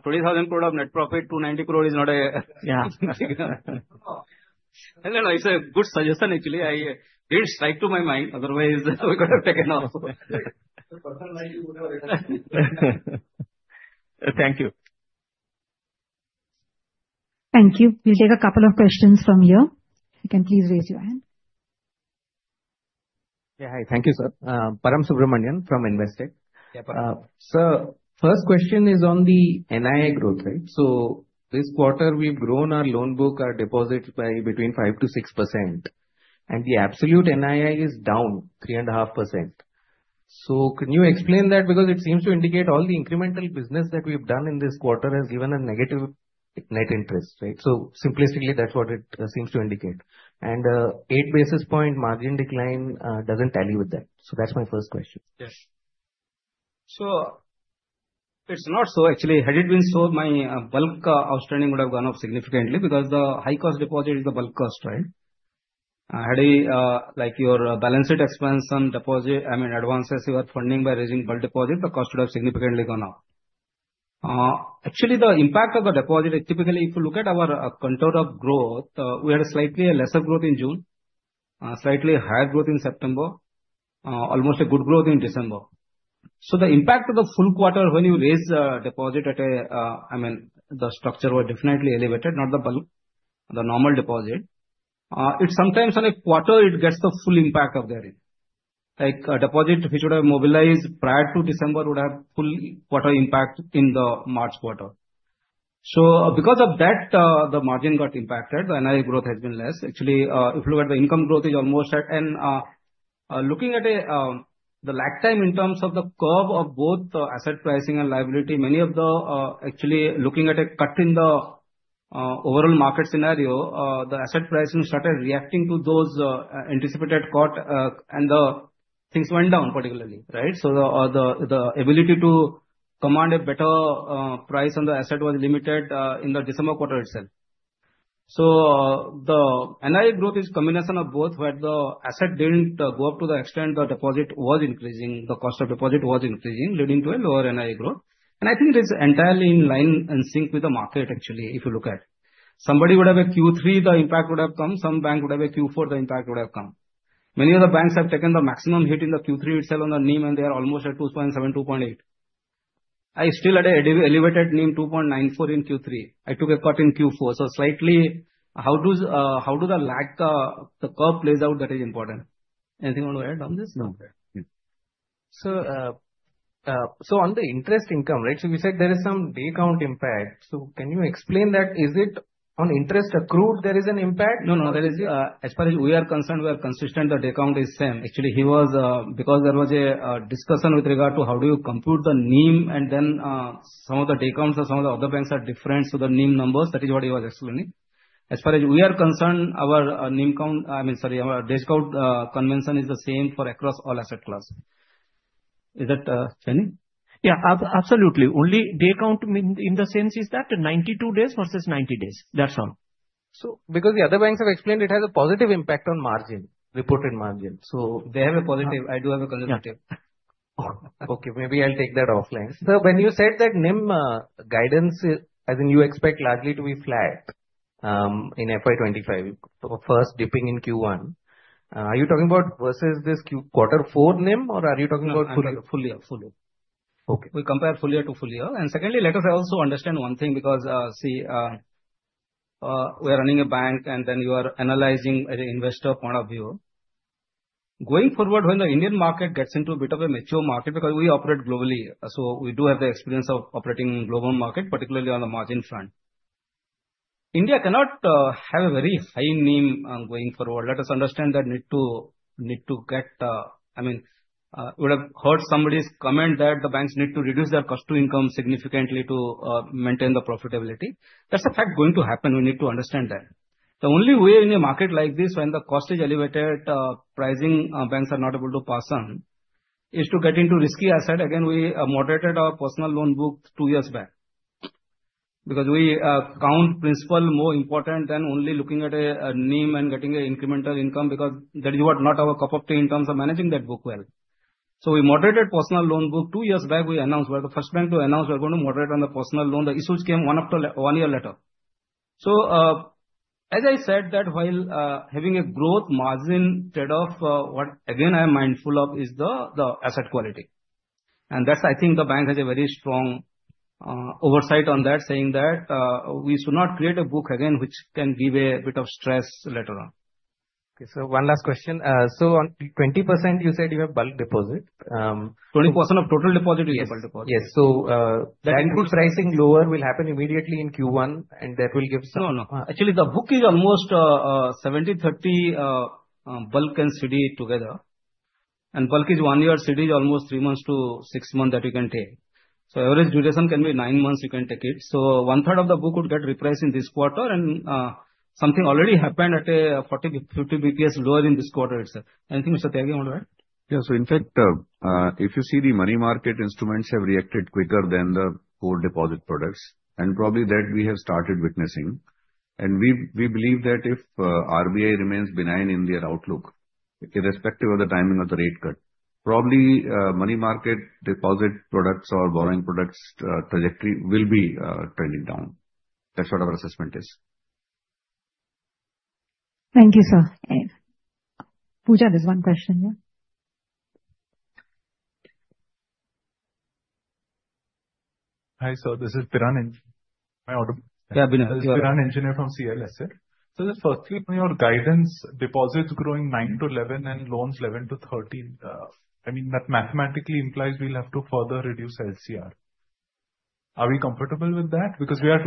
20,000 crore of net profit, 290 crore is not a, yeah. I don't know, it's a good suggestion actually. I didn't strike to my mind, otherwise we could have taken off. Thank you. Thank you. We'll take a couple of questions from here. You can please raise your hand. Yeah, hi. Thank you, sir. Param Subramanian from Investec. Yeah, Param. Sir, first question is on the NII growth, right? This quarter, we've grown our loan book, our deposit by between 5-6%. The absolute NII is down 3.5%. Can you explain that? Because it seems to indicate all the incremental business that we've done in this quarter has given a negative net interest, right? Simplistically, that's what it seems to indicate. Eight basis point margin decline doesn't tally with that. That's my first question. Yes. It's not so actually. Had it been so, my bulk outstanding would have gone up significantly because the high cost deposit is the bulk cost, right? Had a, like your balance sheet expense on deposit, I mean advances, you are funding by raising bulk deposit, the cost would have significantly gone up. Actually, the impact of the deposit is typically, if you look at our contour of growth, we had slightly lesser growth in June, slightly higher growth in September, almost a good growth in December. The impact of the full quarter when you raise the deposit at a, I mean, the structure was definitely elevated, not the bulk, the normal deposit. It's sometimes on a quarter, it gets the full impact of that. Like a deposit which would have mobilized prior to December would have full quarter impact in the March quarter. Because of that, the margin got impacted, the NII growth has been less. Actually, if you look at the income growth, it's almost at, and looking at the lag time in terms of the curve of both asset pricing and liability, many of the, actually looking at a cut in the overall market scenario, the asset pricing started reacting to those anticipated cut and the things went down particularly, right? The ability to command a better price on the asset was limited in the December quarter itself. The NII growth is a combination of both where the asset didn't go up to the extent the deposit was increasing, the cost of deposit was increasing, leading to a lower NII growth. I think it is entirely in line and sync with the market actually, if you look at it. Somebody would have a Q3, the impact would have come, some bank would have a Q4, the impact would have come. Many of the banks have taken the maximum hit in the Q3 itself on the NIM, and they are almost at 2.7, 2.8. I still had an elevated NIM 2.94 in Q3. I took a cut in Q4. Slightly, how does the lag, the curve plays out, that is important. Anything you want to add on this? No. Sir, on the interest income, right? We said there is some day count impact. Can you explain that? Is it on interest accrued, there is an impact? No, no, there isn't. As far as we are concerned, we are consistent. The day count is same. Actually, he was, because there was a discussion with regard to how do you compute the NIM, and then some of the day counts of some of the other banks are different. So the NIM numbers, that is what he was explaining. As far as we are concerned, our NIM count, I mean, sorry, our day count convention is the same for across all asset class. Is that any? Yeah, absolutely. Only day count in the sense is that 92 days versus 90 days. That's all. Because the other banks have explained it has a positive impact on margin, reported margin. They have a positive, I do have a positive. Okay, maybe I'll take that offline. Sir, when you said that NIM guidance, as in you expect largely to be flat in FY25, first dipping in Q1, are you talking about versus this quarter four NIM or are you talking about fully? Fully, fully. Okay. We compare full year to full year. Secondly, let us also understand one thing because see, we are running a bank and then you are analyzing the investor point of view. Going forward, when the Indian market gets into a bit of a mature market, because we operate globally, so we do have the experience of operating global market, particularly on the margin front. India cannot have a very high NIM going forward. Let us understand that need to, need to get, I mean, we would have heard somebody's comment that the banks need to reduce their cost to income significantly to maintain the profitability. That's a fact going to happen. We need to understand that. The only way in a market like this, when the cost is elevated, pricing banks are not able to pass on, is to get into risky asset. Again, we moderated our personal loan book two years back. Because we count principal more important than only looking at a NIM and getting an incremental income because that is what not our cup of tea in terms of managing that book well. We moderated personal loan book two years back. We announced we are the first bank to announce we are going to moderate on the personal loan. The issues came one after one year later. As I said that while having a growth margin trade-off, what again I am mindful of is the asset quality. I think the bank has a very strong oversight on that, saying that we should not create a book again which can give a bit of stress later on. Okay, one last question. On 20%, you said you have bulk deposit. 20% of total deposit, yes. Yes, that includes pricing lower will happen immediately in Q1 and that will give some. No, no. Actually, the book is almost 70-30 bulk and CD together. Bulk is one year CD, almost three months to six months that you can take. Average duration can be nine months you can take it. One third of the book would get repriced in this quarter and something already happened at a 40-50 basis points lower in this quarter itself. Anything Mr. Tyagi, you want to add? Yeah, so in fact, if you see the money market instruments have reacted quicker than the core deposit products, and probably that we have started witnessing. We believe that if RBI remains benign in their outlook, irrespective of the timing of the rate cut, probably money market deposit products or borrowing products trajectory will be trending down. That's what our assessment is. Thank you, sir. Pooja, there's one question. Hi, sir. This is Piran Engineer. My auto. Yeah, Piran Engineer from CLSA. Firstly, on your guidance, deposits growing 9-11% and loans 11-13%. I mean, that mathematically implies we'll have to further reduce LCR. Are we comfortable with that? Because we are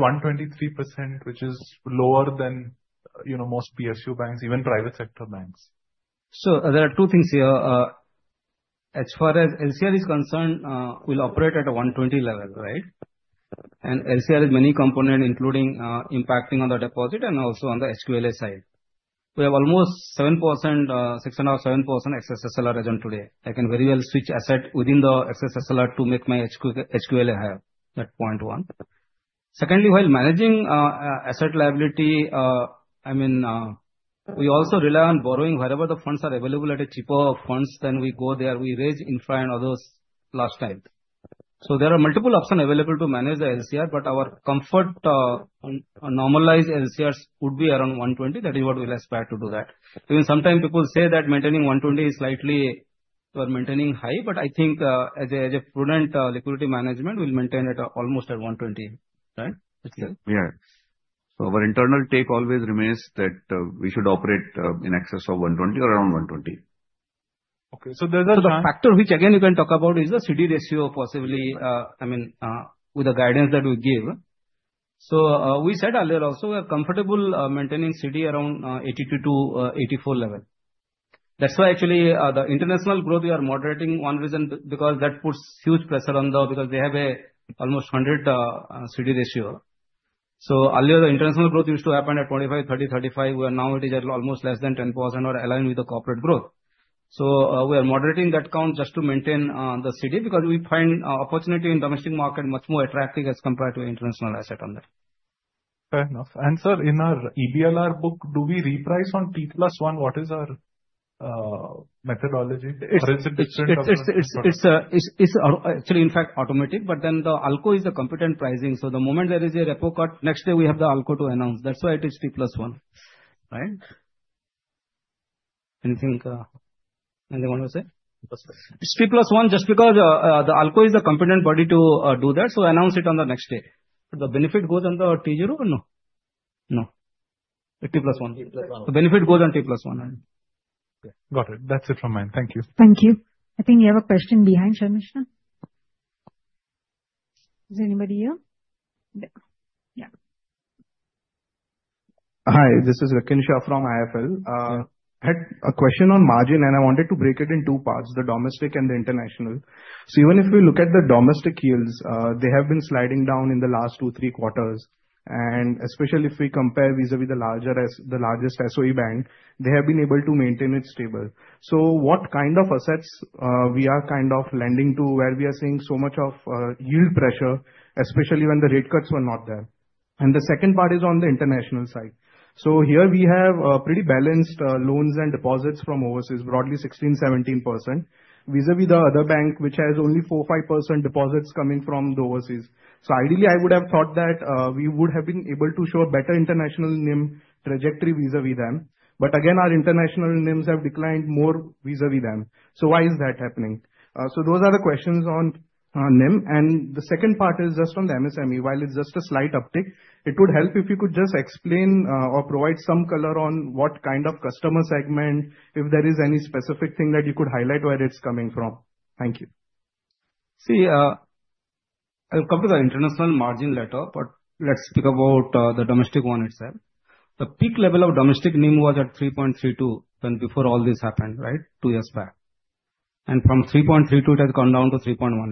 at 123%, which is lower than most PSU banks, even private sector banks. Sir, there are two things here. As far as LCR is concerned, we'll operate at a 120% level, right? LCR is many components, including impacting on the deposit and also on the HQLA side. We have almost 7%, 6.5-7% excess SLR as of today. I can very well switch asset within the excess SLR to make my HQLA higher. That point one. Secondly, while managing asset liability, I mean, we also rely on borrowing wherever the funds are available at a cheaper of funds than we go there. We raise infra and others last time. There are multiple options available to manage the LCR, but our comfort on normalized LCRs would be around 120. That is what we'll aspire to do. Even sometimes people say that maintaining 120 is slightly or maintaining high, but I think as a prudent liquidity management, we'll maintain it almost at 120, right? Yeah. Our internal take always remains that we should operate in excess of 120 or around 120. Okay, so there's a factor which again you can talk about is the CD ratio possibly, I mean, with the guidance that we give. We said earlier also we are comfortable maintaining CD around 82-84 level. That's why actually the international growth we are moderating, one reason because that puts huge pressure on the because they have an almost 100 CD ratio. Earlier the international growth used to happen at 25, 30, 35, where now it is at almost less than 10% or aligned with the corporate growth. We are moderating that count just to maintain the CD because we find opportunity in domestic market much more attractive as compared to international asset on that. Fair enough. Sir, in our EBLR book, do we reprice on T plus one? What is our methodology? Or is it different? It's actually, in fact, automatic, but then the ALCO is the competent pricing. The moment there is a repo cut, next day we have the ALCO to announce. That's why it is T plus one. Right? Anything anyone want to say? It's T plus one just because the ALCO is a competent body to do that. So announce it on the next day. The benefit goes on the T0 or no? No. T plus one. The benefit goes on T plus one. Okay, got it. That's it from mine. Thank you. Thank you. I think we have a question behind, Sharmisha. Is anybody here? Yeah. Hi, this is Rikin Shah from IIFL. I had a question on margin and I wanted to break it in two parts, the domestic and the international. Even if we look at the domestic yields, they have been sliding down in the last two, three quarters. Especially if we compare vis-à-vis the larger PSU band, they have been able to maintain it stable. What kind of assets are we kind of lending to where we are seeing so much of yield pressure, especially when the rate cuts were not there? The second part is on the international side. Here we have pretty balanced loans and deposits from overseas, broadly 16-17%, vis-à-vis the other bank which has only 4-5% deposits coming from the overseas. Ideally, I would have thought that we would have been able to show a better international NIM trajectory vis-à-vis them. Again, our international NIMs have declined more vis-à-vis them. Why is that happening? Those are the questions on NIM. The second part is just on the MSME. While it is just a slight uptick, it would help if you could just explain or provide some color on what kind of customer segment, if there is any specific thing that you could highlight where it is coming from. Thank you. See, I will come to the international margin later, but let's speak about the domestic one itself. The peak level of domestic NIM was at 3.32 when before all this happened, right? Two years back. From 3.32, it has gone down to 3.18.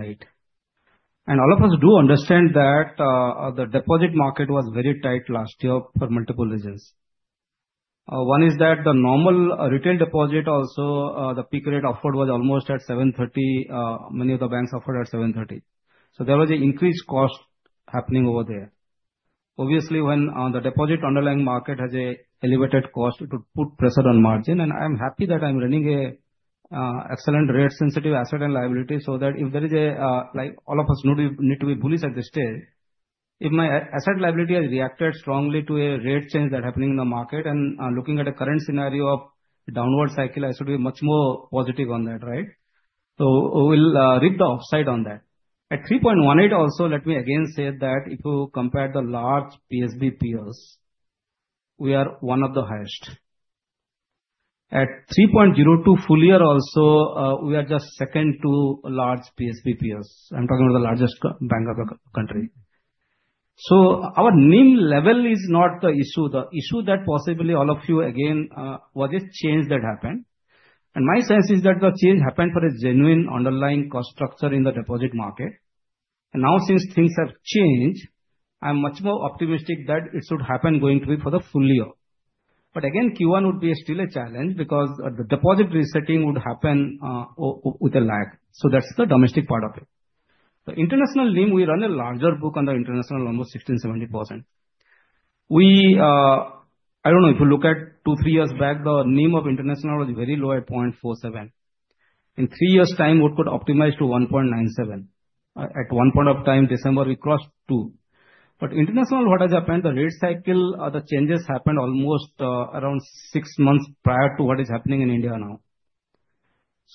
All of us do understand that the deposit market was very tight last year for multiple reasons. One is that the normal retail deposit also, the peak rate offered was almost at 730. Many of the banks offered at 7.30. There was an increased cost happening over there. Obviously, when the deposit underlying market has an elevated cost, it would put pressure on margin. I'm happy that I'm running an excellent rate-sensitive asset and liability so that if there is a, like all of us need to be bullish at this stage, if my asset liability has reacted strongly to a rate change that's happening in the market and looking at a current scenario of downward cycle, I should be much more positive on that, right? We'll rip the upside on that. At 3.18, also, let me again say that if you compare the large PSB peers, we are one of the highest. At 3.02 full year also, we are just second to large PSB peers. I'm talking about the largest bank of the country. Our NIM level is not the issue. The issue that possibly all of you again was this change that happened. My sense is that the change happened for a genuine underlying cost structure in the deposit market. Now since things have changed, I'm much more optimistic that it should happen going to be for the full year. Again, Q1 would be still a challenge because the deposit resetting would happen with a lag. That's the domestic part of it. The international NIM, we run a larger book on the international, almost 16-70%. I don't know if you look at two, three years back, the NIM of international was very low at 0.47. In three years' time, it could optimize to 1.97. At one point of time, December, we crossed two. Internationally, what has happened is the rate cycle, the changes happened almost around six months prior to what is happening in India now.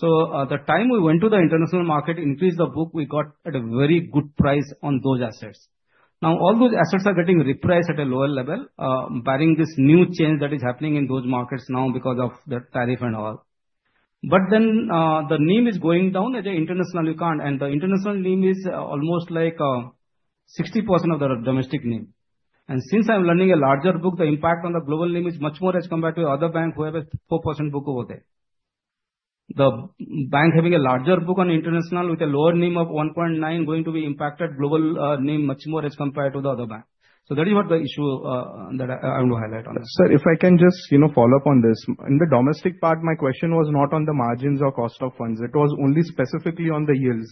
The time we went to the international market, increased the book, we got at a very good price on those assets. Now all those assets are getting repriced at a lower level, barring this new change that is happening in those markets now because of the tariff and all. The NIM is going down at the international account, and the international NIM is almost like 60% of the domestic NIM. Since I am running a larger book, the impact on the global NIM is much more as compared to other banks who have a 4% book over there. The bank having a larger book on international with a lower NIM of 1.9 is going to be impacting global NIM much more as compared to the other bank. That is what the issue that I want to highlight on. Sir, if I can just, you know, follow up on this. In the domestic part, my question was not on the margins or cost of funds. It was only specifically on the yields.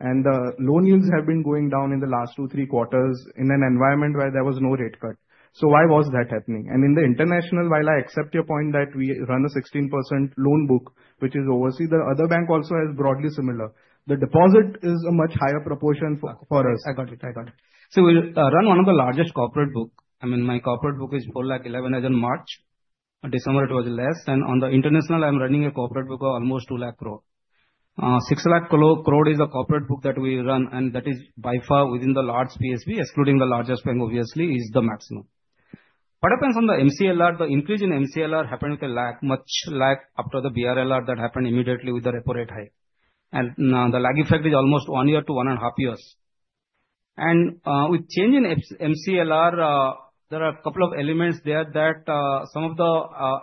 The loan yields have been going down in the last two, three quarters in an environment where there was no rate cut. Why was that happening? In the international, while I accept your point that we run a 16% loan book, which is overseas, the other bank also has broadly similar. The deposit is a much higher proportion for us. I got it. I got it. We run one of the largest corporate books. I mean, my corporate book is 411 billion as of March. In December, it was less. On the international, I'm running a corporate book of almost 2 trillion. 6 trillion is a corporate book that we run, and that is by far within the large PSB, excluding the largest bank, obviously, is the maximum. What happens on the MCLR, the increase in MCLR happened with a lag, much lag after the BRLLR that happened immediately with the repo rate hike. The lag effect is almost one year to one and a half years. With change in MCLR, there are a couple of elements there that some of the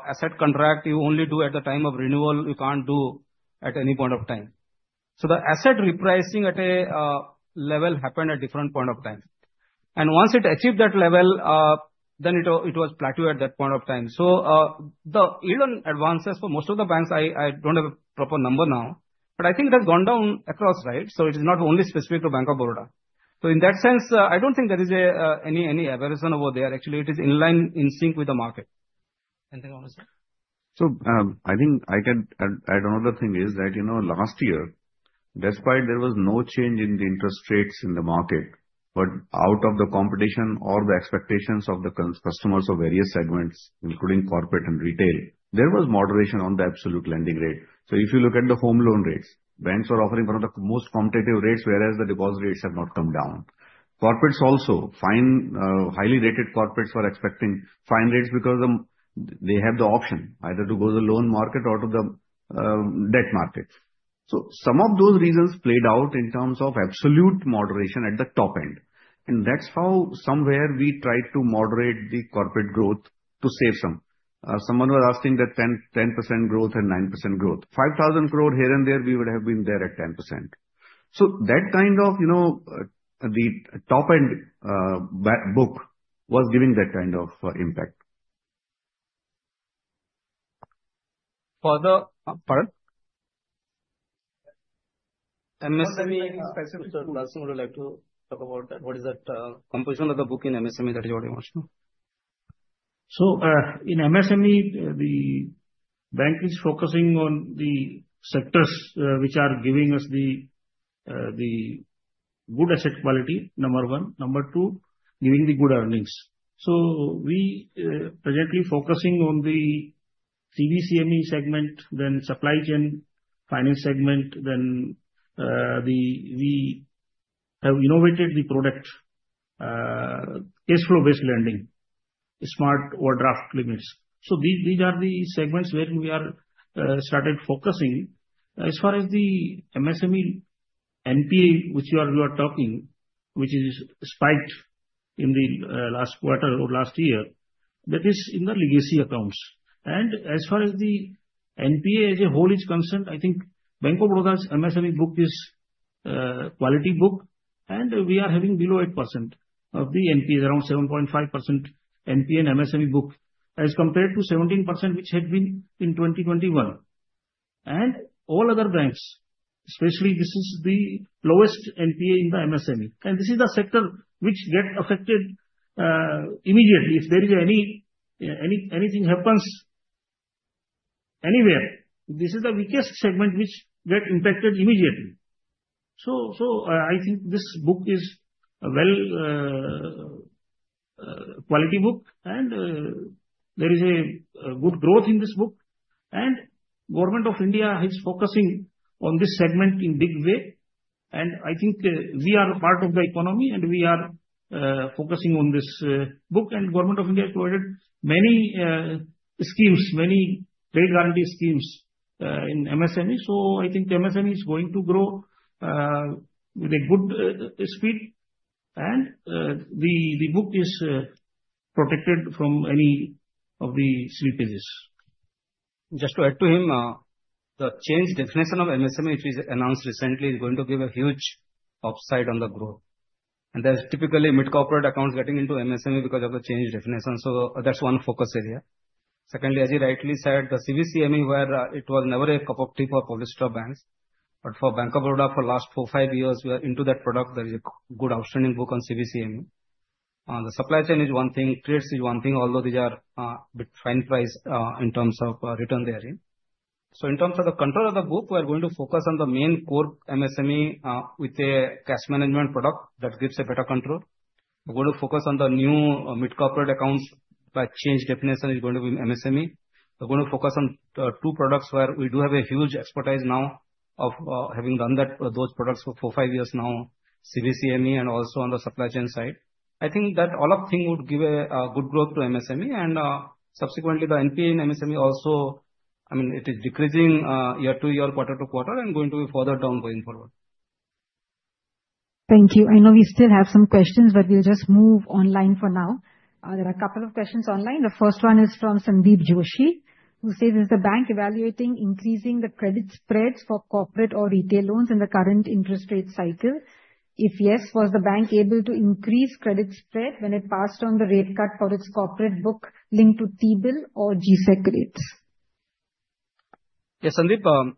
asset contract you only do at the time of renewal, you can't do at any point of time. The asset repricing at a level happened at a different point of time. Once it achieved that level, then it was plateaued at that point of time. The yield on advances for most of the banks, I do not have a proper number now, but I think it has gone down across, right? It is not only specific to Bank of Baroda. In that sense, I do not think there is any aversion over there. Actually, it is in line in sync with the market. Anything you want to say? I think I can add another thing is that, you know, last year, despite there was no change in the interest rates in the market, but out of the competition or the expectations of the customers of various segments, including corporate and retail, there was moderation on the absolute lending rate. If you look at the home loan rates, banks are offering one of the most competitive rates, whereas the deposit rates have not come down. Corporates also, highly rated corporates were expecting fine rates because they have the option either to go to the loan market or to the debt market. Some of those reasons played out in terms of absolute moderation at the top end. That is how somewhere we tried to moderate the corporate growth to save some. Someone was asking that 10% growth and 9% growth. 5,000 crore here and there, we would have been there at 10%. That kind of, you know, the top-end book was giving that kind of impact. For the pardon? MSME specifically, would you like to talk about that? What is that composition of the book in MSME that you want to know? In MSME, the bank is focusing on the sectors which are giving us the good asset quality, number one. Number two, giving the good earnings. We are presently focusing on the CGTMSE segment, then supply chain finance segment, then we have innovated the product cash flow-based lending, smart overdraft limits. These are the segments where we have started focusing. As far as the MSME NPA, which you are talking, which is spiked in the last quarter or last year, that is in the legacy accounts. As far as the NPA as a whole is concerned, I think Bank of Baroda's MSME book is a quality book. We are having below 8% of the NPA, around 7.5% NPA in MSME book as compared to 17% which had been in 2021. All other banks, especially this is the lowest NPA in the MSME. This is the sector which gets affected immediately. If there is anything that happens anywhere, this is the weakest segment which gets impacted immediately. I think this book is a well-quality book. There is a good growth in this book. Government of India is focusing on this segment in a big way. I think we are part of the economy and we are focusing on this book. Government of India has provided many schemes, many trade guarantee schemes in MSME. I think MSME is going to grow with a good speed. The book is protected from any of the slippages. Just to add to him, the change definition of MSME, which was announced recently, is going to give a huge upside on the growth. There are typically mid-corporate accounts getting into MSME because of the change definition. That is one focus area. Secondly, as you rightly said, the CGTMSE, where it was never a cup of tea for public stock banks. For Bank of Baroda, for the last four or five years, we are into that product. There is a good outstanding book on CGTMSE. The supply chain is one thing. Trades is one thing, although these are a bit fine priced in terms of return they are in. In terms of the control of the book, we are going to focus on the main core MSME with a cash management product that gives a better control. We are going to focus on the new mid-corporate accounts by change definition is going to be MSME. We are going to focus on two products where we do have a huge expertise now of having done those products for four or five years now, CGTMSE and also on the supply chain side. I think that all of things would give a good growth to MSME. And subsequently, the NPA in MSME also, I mean, it is decreasing year to year, quarter to quarter, and going to be further down going forward. Thank you. I know we still have some questions, but we'll just move online for now. There are a couple of questions online. The first one is from Sandeep Joshi, who says, "Is the bank evaluating increasing the credit spreads for corporate or retail loans in the current interest rate cycle? If yes, was the bank able to increase credit spread when it passed on the rate cut for its corporate book linked to T-bill or GSEC rates?" Yes, Sandeep,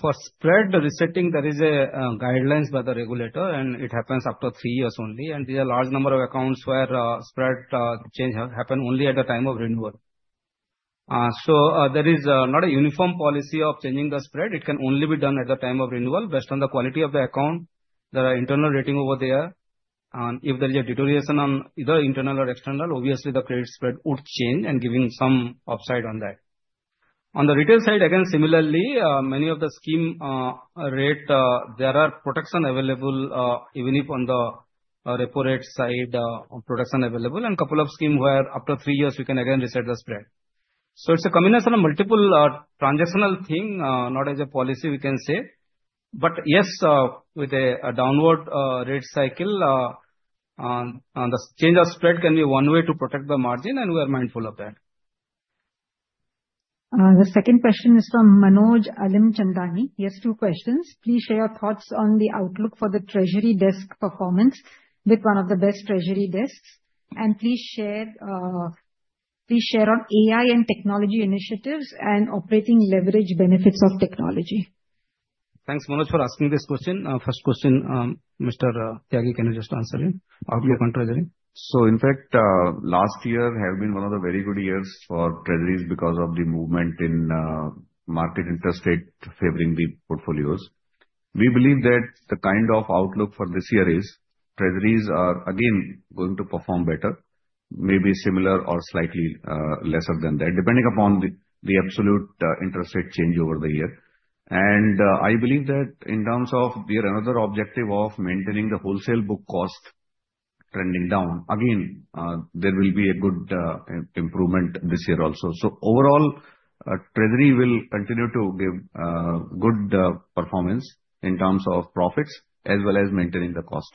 for spread resetting, there are guidelines by the regulator, and it happens up to three years only. There is a large number of accounts where spread change happens only at the time of renewal. There is not a uniform policy of changing the spread. It can only be done at the time of renewal based on the quality of the account. There are internal rating over there. If there is a deterioration on either internal or external, obviously the credit spread would change and give some upside on that. On the retail side, again, similarly, many of the scheme rates, there are protections available even if on the repo rate side, protection available. A couple of schemes where up to three years, we can again reset the spread. It is a combination of multiple transactional things, not as a policy, we can say. Yes, with a downward rate cycle, the change of spread can be one way to protect the margin, and we are mindful of that. The second question is from Manoj Alim Chandani. Yes, two questions. Please share your thoughts on the outlook for the treasury desk performance with one of the best treasury desks. Please share on AI and technology initiatives and operating leverage benefits of technology. Thanks, Manoj, for asking this question. First question, Mr. Tyagi, can you just answer it? Outlook on treasury. In fact, last year has been one of the very good years for treasuries because of the movement in market interest rate favoring the portfolios. We believe that the kind of outlook for this year is treasuries are again going to perform better, maybe similar or slightly lesser than that, depending upon the absolute interest rate change over the year. I believe that in terms of their another objective of maintaining the wholesale book cost trending down, again, there will be a good improvement this year also. Overall, treasury will continue to give good performance in terms of profits as well as maintaining the cost.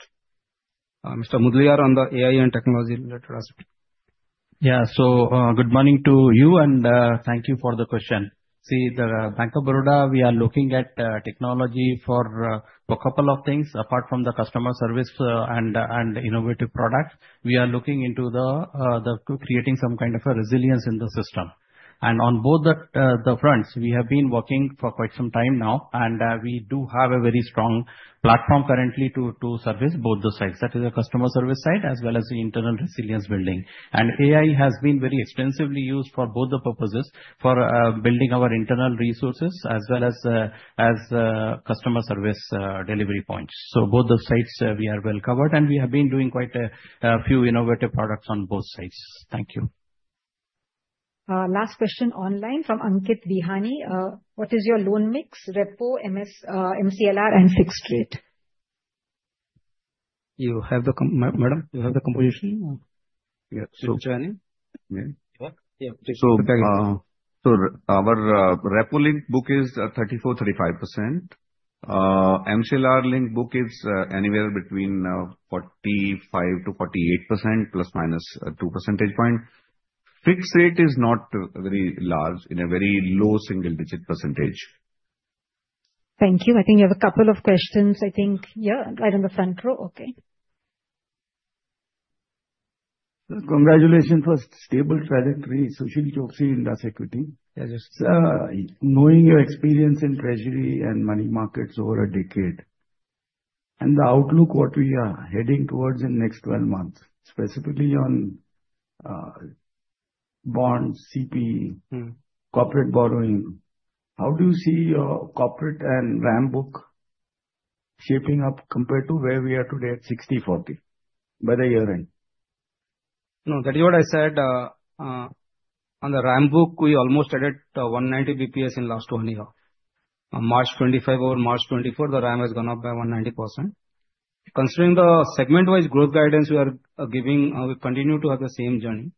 Mr. Mudaliar on the AI and technology related aspect. Yeah, good morning to you, and thank you for the question. See, the Bank of Baroda, we are looking at technology for a couple of things. Apart from the customer service and innovative product, we are looking into creating some kind of a resilience in the system. On both the fronts, we have been working for quite some time now, and we do have a very strong platform currently to service both the sides. That is the customer service side as well as the internal resilience building. AI has been very extensively used for both the purposes for building our internal resources as well as customer service delivery points. Both the sides, we are well covered, and we have been doing quite a few innovative products on both sides. Thank you. Last question online from Ankit Vihani. What is your loan mix, repo, MCLR, and fixed rate? Madam, you have the composition? Yeah, so our repo linked book is 34-35%. MCLR linked book is anywhere between 45%-48%, plus minus 2 percentage points. Fixed rate is not very large in a very low single-digit percentage. Thank you. I think you have a couple of questions. Yeah, right on the front row. Okay. Congratulations for stable trajectory, socially jux in that equity. Knowing your experience in treasury and money markets over a decade, and the outlook what we are heading towards in the next 12 months, specifically on bonds, CP, corporate borrowing, how do you see your corporate and RAM book shaping up compared to where we are today at 60-40 by the year end? No, that is what I said. On the RAM book, we almost added 190 basis points in the last 20 years. March 2025 over March 2024, the RAM has gone up by 190%. Considering the segment-wise growth guidance we are giving, we continue to have the same journey.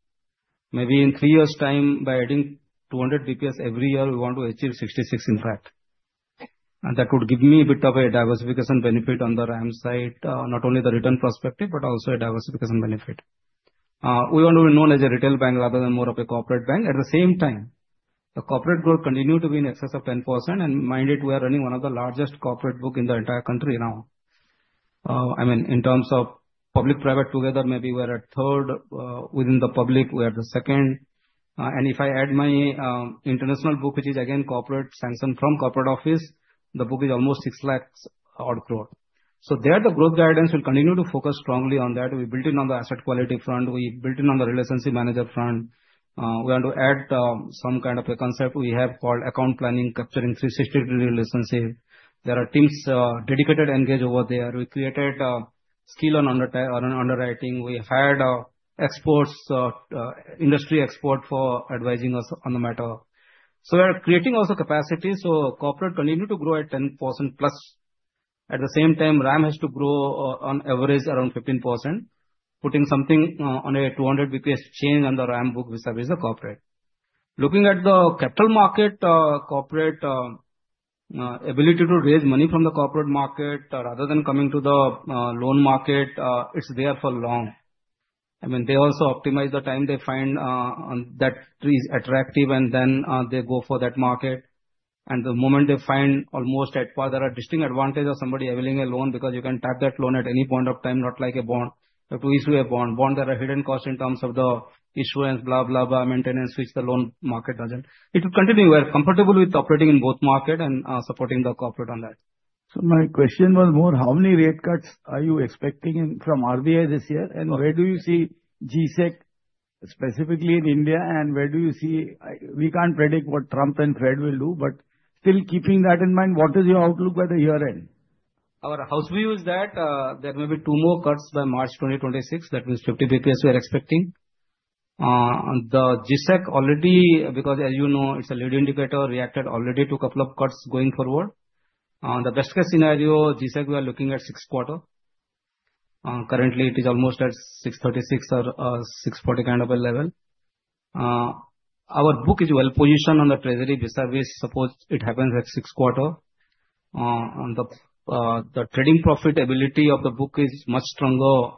Maybe in three years' time, by adding 200 basis points every year, we want to achieve 66 in RAM. That would give me a bit of a diversification benefit on the RAM side, not only the return perspective, but also a diversification benefit. We want to be known as a retail bank rather than more of a corporate bank. At the same time, the corporate growth continued to be in excess of 10%. I mean, we are running one of the largest corporate books in the entire country now. I mean, in terms of public-private together, maybe we are at third; within the public, we are the second. If I add my international book, which is again corporate sanctioned from corporate office, the book is almost 6 lakh crore. There, the growth guidance will continue to focus strongly on that. We built it on the asset quality front. We built it on the relationship manager front. We want to add some kind of a concept we have called account planning, capturing 360-degree relationship. There are teams dedicated to engage over there. We created skill on underwriting. We hired industry expert for advising us on the matter. We are creating also capacity. Corporate continued to grow at 10% plus. At the same time, RAM has to grow on average around 15%, putting something on a 200 basis points change on the RAM book vis-à-vis the corporate. Looking at the capital market, corporate ability to raise money from the corporate market rather than coming to the loan market, it is there for long. I mean, they also optimize the time they find that is attractive, and then they go for that market. The moment they find almost at par, there are distinct advantages of somebody availing a loan because you can tap that loan at any point of time, not like a bond. You have to issue a bond. Bond, there are hidden costs in terms of the issuance, blah, blah, blah, maintenance, which the loan market doesn't. It will continue where comfortable with operating in both markets and supporting the corporate on that. My question was more, how many rate cuts are you expecting from RBI this year? Where do you see GSEC specifically in India? Where do you see? We can't predict what Trump and Fed will do, but still keeping that in mind, what is your outlook by the year end? Our house view is that there may be two more cuts by March 2026. That means 50 basis points we are expecting. The GSEC already, because as you know, it's a lead indicator, reacted already to a couple of cuts going forward. On the best-case scenario, GSEC, we are looking at six quarters. Currently, it is almost at 636 or 640 kind of a level. Our book is well positioned on the treasury vis-à-vis. Suppose it happens at six quarters. The trading profitability of the book is much stronger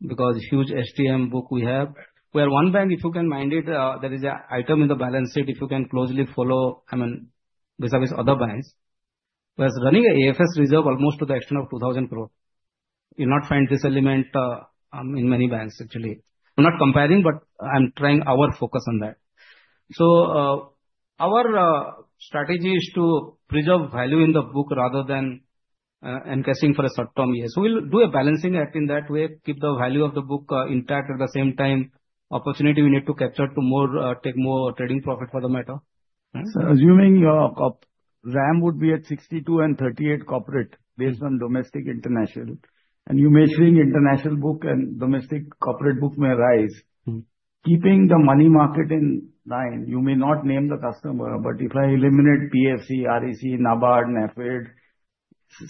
because of the huge STM book we have. Where one bank, if you can mind it, there is an item in the balance sheet, if you can closely follow, I mean, vis-à-vis other banks. Whereas running an AFS reserve almost to the extent of 2,000 crore, you'll not find this element in many banks, actually. I'm not comparing, but I'm trying our focus on that. So our strategy is to preserve value in the book rather than encasing for a short term. Yes, we'll do a balancing act in that way, keep the value of the book intact at the same time. Opportunity we need to capture to take more trading profit for the matter. Assuming your RAM would be at 62 and 38 corporate based on domestic international, and you measuring international book and domestic corporate book may arise. Keeping the money market in line, you may not name the customer, but if I eliminate PFC, REC, NAVARD, NaBFID,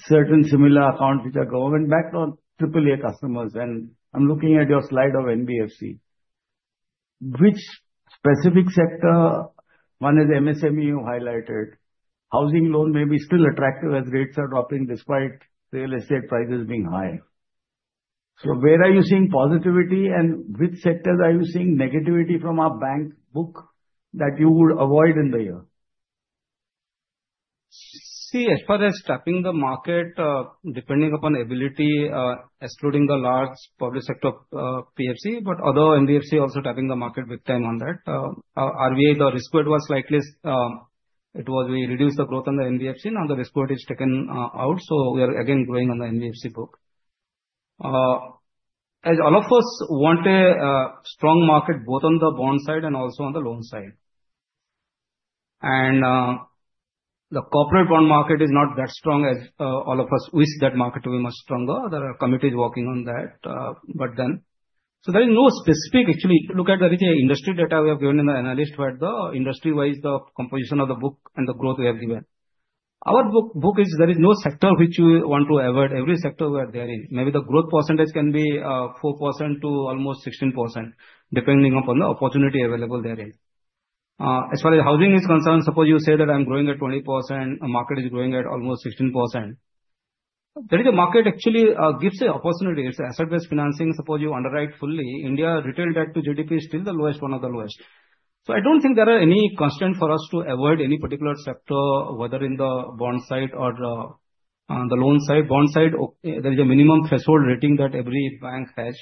certain similar accounts which are government-backed or AAA customers, and I am looking at your slide of NBFC, which specific sector, one is MSME you highlighted, housing loan may be still attractive as rates are dropping despite real estate prices being high. Where are you seeing positivity and which sectors are you seeing negativity from our bank book that you would avoid in the year? See, as far as tapping the market, depending upon ability, excluding the large public sector PFC, but other NBFC also tapping the market big time on that. RBI, the risk-worth was slightly, it was we reduced the growth on the NBFC. Now the risk-worth is taken out. We are again growing on the NBFC book. As all of us want a strong market both on the bond side and also on the loan side. The corporate bond market is not that strong as all of us wish that market to be much stronger. There are committees working on that. Actually, there is no specific, look at the industry data we have given in the analyst where the industry-wise, the composition of the book and the growth we have given. Our book is there is no sector which you want to avoid. Every sector we are there in, maybe the growth percentage can be 4%-16%, depending upon the opportunity available therein. As far as housing is concerned, suppose you say that I'm growing at 20%, market is growing at almost 16%. There is a market actually gives an opportunity. It's asset-based financing. Suppose you underwrite fully, India retail debt to GDP is still the lowest, one of the lowest. I don't think there are any constant for us to avoid any particular sector, whether in the bond side or the loan side. Bond side, there is a minimum threshold rating that every bank has.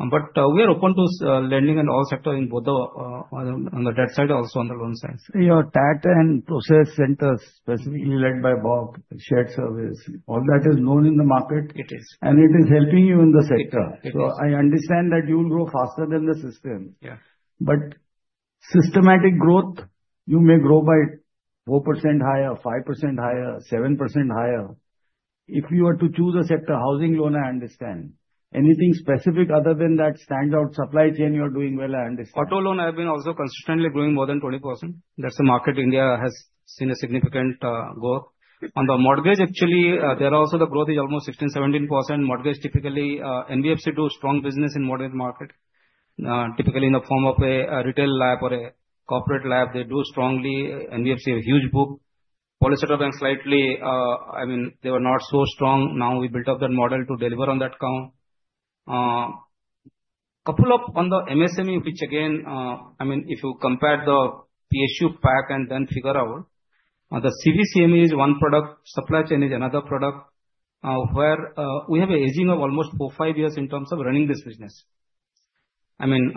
We are open to lending in all sectors in both the on the debt side, also on the loan side. Your TAT and process centers, specifically led by BOC, shared service, all that is known in the market. It is. It is helping you in the sector. I understand that you will grow faster than the system. Yeah. Systematic growth, you may grow by 4% higher, 5% higher, 7% higher. If you are to choose a sector, housing loan, I understand. Anything specific other than that stands out. Supply chain you are doing well, I understand. Auto loan has been also consistently growing more than 20%. That is a market India has seen a significant growth. On the mortgage, actually, there also the growth is almost 16-17%. Mortgage typically, NBFC do strong business in mortgage market. Typically in the form of a retail lab or a corporate lab, they do strongly. NBFC have a huge book. Policy bank slightly, I mean, they were not so strong. Now we built up that model to deliver on that count. Couple of on the MSME, which again, I mean, if you compare the PSU pack and then figure out the CVCM is one product, supply chain is another product where we have an aging of almost four, five years in terms of running this business. I mean,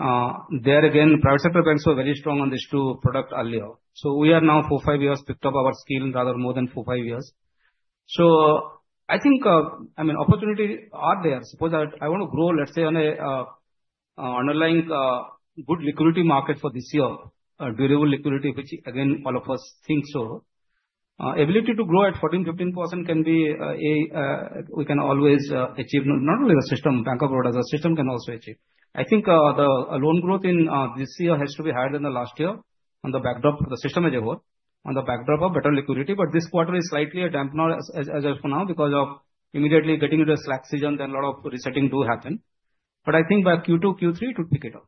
there again, private sector banks were very strong on these two products earlier. We are now four, five years picked up our skill, rather more than four, five years. I think, I mean, opportunity are there. Suppose I want to grow, let's say on an underlying good liquidity market for this year, durable liquidity, which again, all of us think so. Ability to grow at 14-15% can be a we can always achieve not only the system, Bank of Baroda's system can also achieve. I think the loan growth in this year has to be higher than the last year on the backdrop of the system as a whole, on the backdrop of better liquidity. This quarter is slightly a dampener as of now because of immediately getting into a slack season, then a lot of resetting do happen. I think by Q2, Q3, it would pick it up.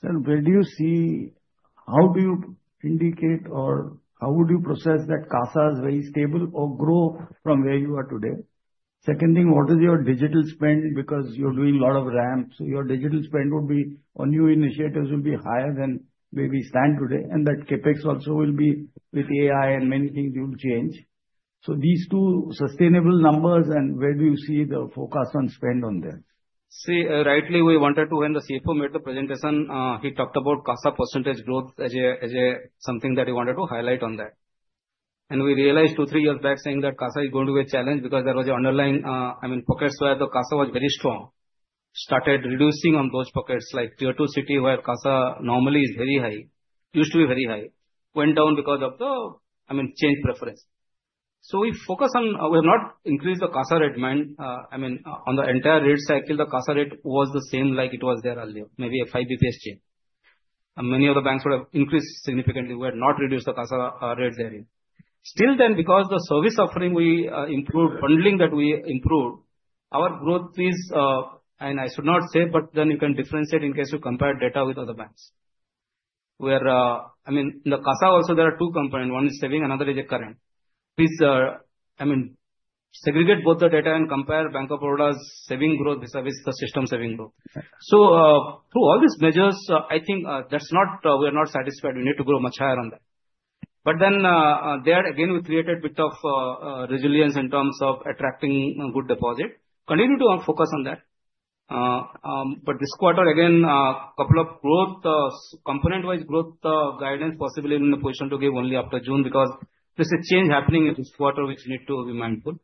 Where do you see, how do you indicate or how would you process that CASA is very stable or grow from where you are today? Second thing, what is your digital spend because you're doing a lot of RAM? Your digital spend would be on new initiatives, will be higher than where we stand today. That CapEx also will be with AI and many things you will change. These two sustainable numbers and where do you see the focus on spend on there? See, rightly we wanted to, when the CFO made the presentation, he talked about CASA % growth as something that he wanted to highlight on that. We realized two, three years back saying that CASA is going to be a challenge because there was an underlying, I mean, pockets where the CASA was very strong. Started reducing on those pockets like Tier 2 City where CASA normally is very high, used to be very high, went down because of the, I mean, change preference. We focus on, we have not increased the CASA rate mind. I mean, on the entire rate cycle, the CASA rate was the same like it was there earlier, maybe a 5 basis points change. Many of the banks would have increased significantly. We have not reduced the CASA rate therein. Still then, because the service offering we improved, bundling that we improved, our growth is, and I should not say, but then you can differentiate in case you compare data with other banks. Where, I mean, in the CASA also, there are two components. One is saving, another is a current. I mean, segregate both the data and compare Bank of Baroda's saving growth vis-à-vis the system saving growth. Through all these measures, I think that's not, we are not satisfied. We need to grow much higher on that. There again, we created a bit of resilience in terms of attracting good deposit. Continue to focus on that. This quarter again, a couple of growth, component-wise growth guidance possibly in the position to give only after June because there is a change happening in this quarter, which need to be mindful.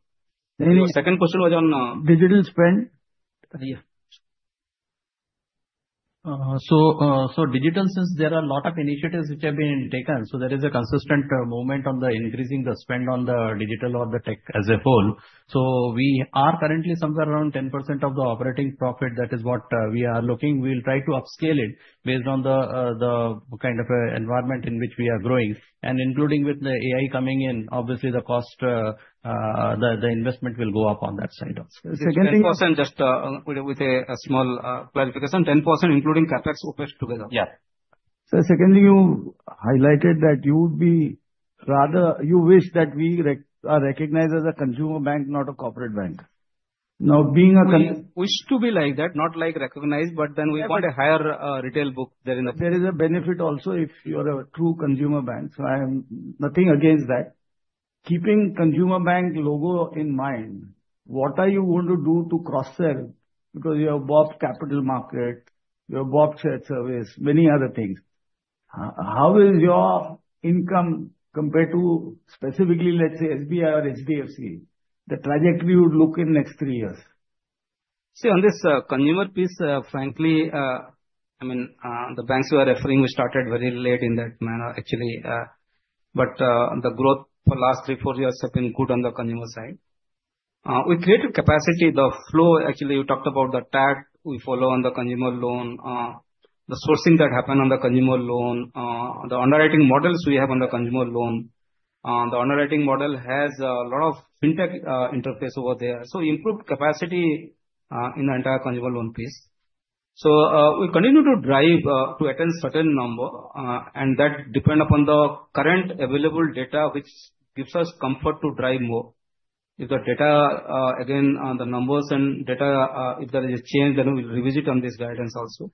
Your second question was on digital spend. Yeah. Digital, since there are a lot of initiatives which have been taken, there is a consistent movement on increasing the spend on digital or tech as a whole. We are currently somewhere around 10% of the operating profit. That is what we are looking. We will try to upscale it based on the kind of environment in which we are growing. Including with the AI coming in, obviously the cost, the investment will go up on that side also. 10%, just with a small clarification, 10% including CapEx, OpEx together. Yeah. Secondly, you highlighted that you would be rather, you wish that we are recognized as a consumer bank, not a corporate bank. Now being a wish to be like that, not like recognized, but then we want a higher retail book there in the. There is a benefit also if you are a true consumer bank. I am nothing against that. Keeping consumer bank logo in mind, what are you going to do to cross-sell? Because you have bought capital market, you have bought shared service, many other things. How is your income compared to specifically, let's say SBI or HDFC? The trajectory you would look in next three years. See, on this consumer piece, frankly, I mean, the banks you are referring, we started very late in that manner, actually. The growth for the last three, four years has been good on the consumer side. We created capacity, the flow, actually, you talked about the TAT, we follow on the consumer loan, the sourcing that happened on the consumer loan, the underwriting models we have on the consumer loan. The underwriting model has a lot of fintech interface over there. Improved capacity in the entire consumer loan piece. We continue to drive to attend certain number, and that depends upon the current available data, which gives us comfort to drive more. If the data, again, on the numbers and data, if there is a change, then we'll revisit on this guidance also.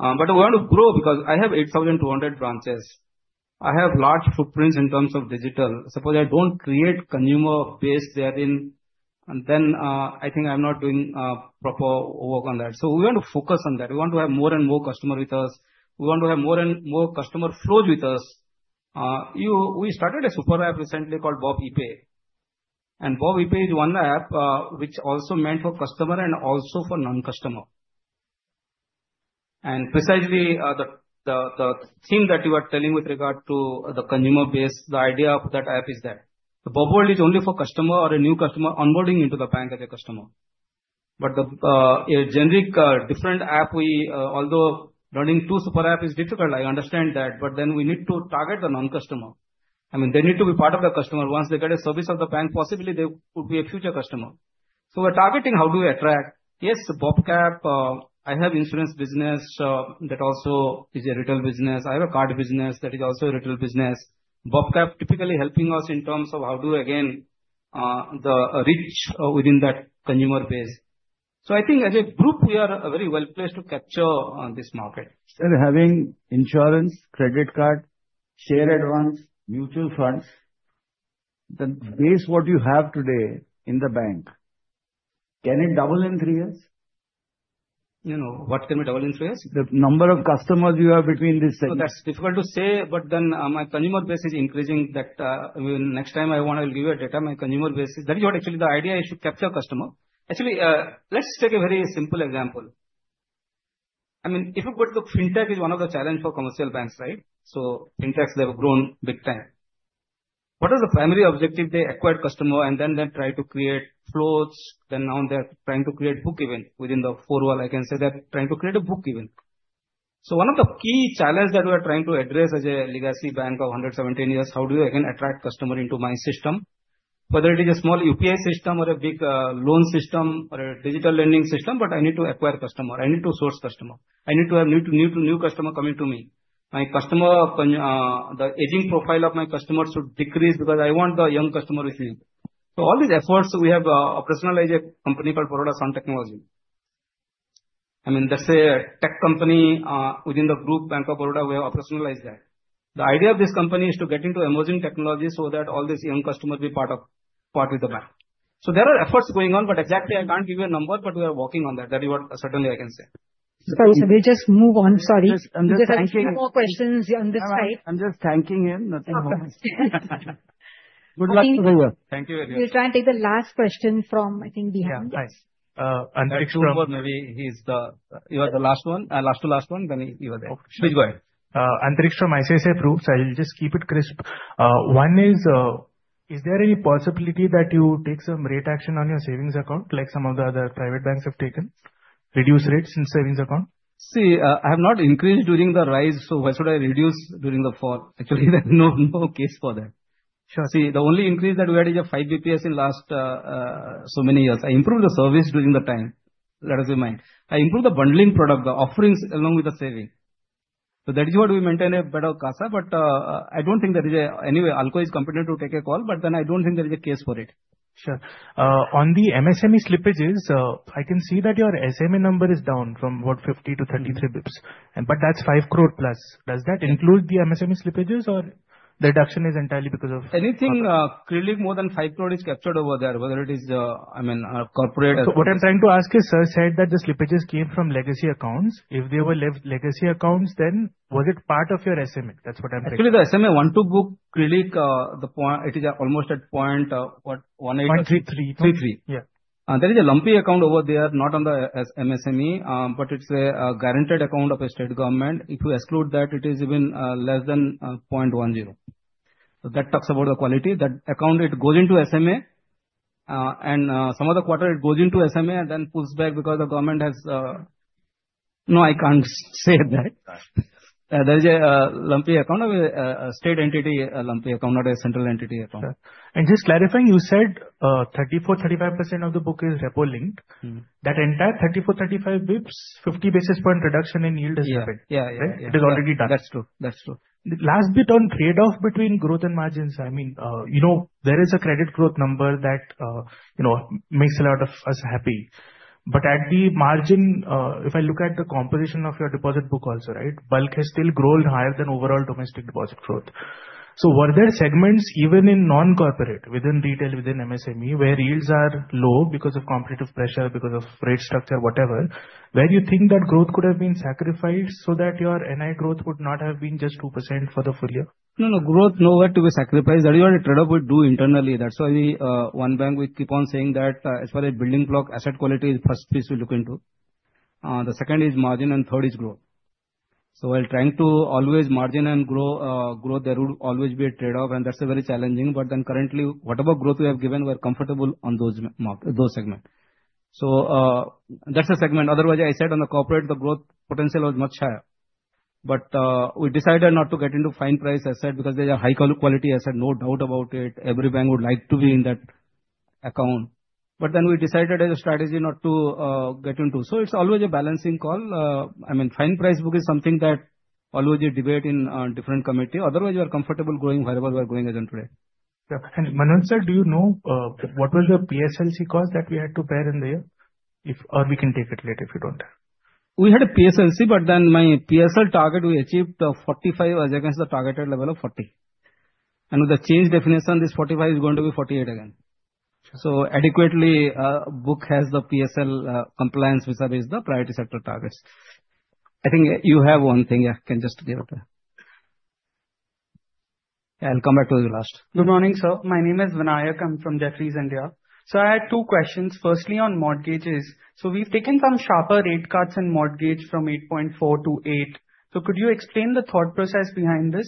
We want to grow because I have 8,200 branches. I have large footprints in terms of digital. Suppose I don't create consumer base therein, then I think I'm not doing proper work on that. We want to focus on that. We want to have more and more customers with us. We want to have more and more customer flows with us. We started a super app recently called BOB EPAY. BOB EPAY is one app which is also meant for customer and also for non-customer. Precisely the theme that you are telling with regard to the consumer base, the idea of that app is that the BOB World is only for customer or a new customer onboarding into the bank as a customer. The generic different app, although learning two super apps is difficult, I understand that. We need to target the non-customer. I mean, they need to be part of the customer. Once they get a service of the bank, possibly they would be a future customer. We are targeting how do we attract. Yes, BOBCAP, I have insurance business that also is a retail business. I have a card business that is also a retail business. BOBCAP typically helping us in terms of how do we again the reach within that consumer base. I think as a group, we are very well placed to capture this market. Having insurance, credit card, share advance, mutual funds, the base what you have today in the bank, can it double in three years? You know, what can we double in three years? The number of customers you have between this cycle. That's difficult to say, but then my consumer base is increasing that next time I want, I'll give you a data, my consumer base is. That is what actually the idea is to capture customer. Actually, let's take a very simple example. I mean, if you go to the fintech, it's one of the challenges for commercial banks, right? Fintechs, they've grown big time. What is the primary objective? They acquired customer and then they try to create flows. Now they're trying to create book even within the four wall. I can say they're trying to create a book even. One of the key challenges that we are trying to address as a legacy bank of 117 years is how do you again attract customer into my system? Whether it is a small UPI system or a big loan system or a digital lending system, I need to acquire customer. I need to source customer. I need to have new customer coming to me. My customer, the aging profile of my customer should decrease because I want the young customer with me. All these efforts, we have operationalized a company called Baroda Sun Technology. I mean, that's a tech company within the group, Bank of Baroda. We have operationalized that. The idea of this company is to get into emerging technology so that all these young customers be part of, part with the bank. There are efforts going on, but exactly I can't give you a number, but we are working on that. That is what certainly I can say. We'll just move on. Sorry. I'm just asking more questions on this side. I'm just thanking him. Nothing more. Good luck for the year. Thank you very much. We'll try and take the last question from, I think we have. Yeah, nice. Uncertain, Maybe he's the, you are the last one, last to last one, then you are there. Please go ahead. I say, I say proof, so I'll just keep it crisp. One is, is there any possibility that you take some rate action on your savings account, like some of the other private banks have taken, reduce rates in savings account? See, I have not increased during the rise, so why should I reduce during the fall? Actually, there's no case for that. Sure. See, the only increase that we had is a 5 basis points in last so many years. I improved the service during the time. Let us remind. I improved the bundling product, the offerings along with the saving. So that is what we maintain a better CASA, but I don't think that is anyway, ALCO is competent to take a call, but then I don't think there is a case for it. Sure. On the MSME slippages, I can see that your SME number is down from about 50-33 basis points. But that's 5 crore plus. Does that include the MSME slippages or the reduction is entirely because of? Anything clearly more than 5 crore is captured over there, whether it is, I mean, corporate. What I'm trying to ask is, sir said that the slippages came from legacy accounts. If they were legacy accounts, then was it part of your SME? That's what I'm trying to. Actually, the SME one two book clearly, it is almost at point what? 180.33. Yeah. There is a lumpy account over there, not on the MSME, but it's a guaranteed account of a state government. If you exclude that, it is even -0.10. That talks about the quality. That account, it goes into SME and some of the quarter it goes into SME and then pulls back because the government has, no, I can't say that. There is a lumpy account of a state entity, a lumpy account, not a central entity account. Just clarifying, you said 34-35% of the book is repo linked. That entire 34-35 basis point, 50 basis point reduction in yield is happening. Yeah, yeah. It is already done. That's true. That's true. Last bit on trade-off between growth and margins. I mean, you know, there is a credit growth number that, you know, makes a lot of us happy. At the margin, if I look at the composition of your deposit book also, right, bulk has still grown higher than overall domestic deposit growth. Were there segments even in non-corporate, within retail, within MSME where yields are low because of competitive pressure, because of rate structure, whatever, where you think that growth could have been sacrificed so that your NI growth would not have been just 2% for the full year? No, no, growth nowhere to be sacrificed. That is a trade-off we do internally. That is why we, one bank, we keep on saying that as far as building block, asset quality is the first piece we look into. The second is margin and third is growth. While trying to always margin and growth, there would always be a trade-off and that is very challenging. Currently, whatever growth we have given, we are comfortable on those segments. That is a segment. Otherwise, I said on the corporate, the growth potential was much higher. We decided not to get into fine price asset because they are high quality asset, no doubt about it. Every bank would like to be in that account. We decided as a strategy not to get into. It is always a balancing call. I mean, fine price book is something that always a debate in different committee. Otherwise, we are comfortable growing wherever we are going as on today. Manoj sir, do you know what was your PSLC cost that we had to bear in the year? If, or we can take it later if you do not have. We had a PSLC, but then my PSL target we achieved the 45% as against the targeted level of 40%. With the change definition, this 45% is going to be 48% again. Adequately book has the PSL compliance, which are based on the priority sector targets. I think you have one thing I can just give up. I'll come back to you last. Good morning, sir. My name is Vinayak. I'm from Jefferies India. I had two questions. Firstly, on mortgages. We've taken some sharper rate cuts in mortgage from 8.4 to 8. Could you explain the thought process behind this?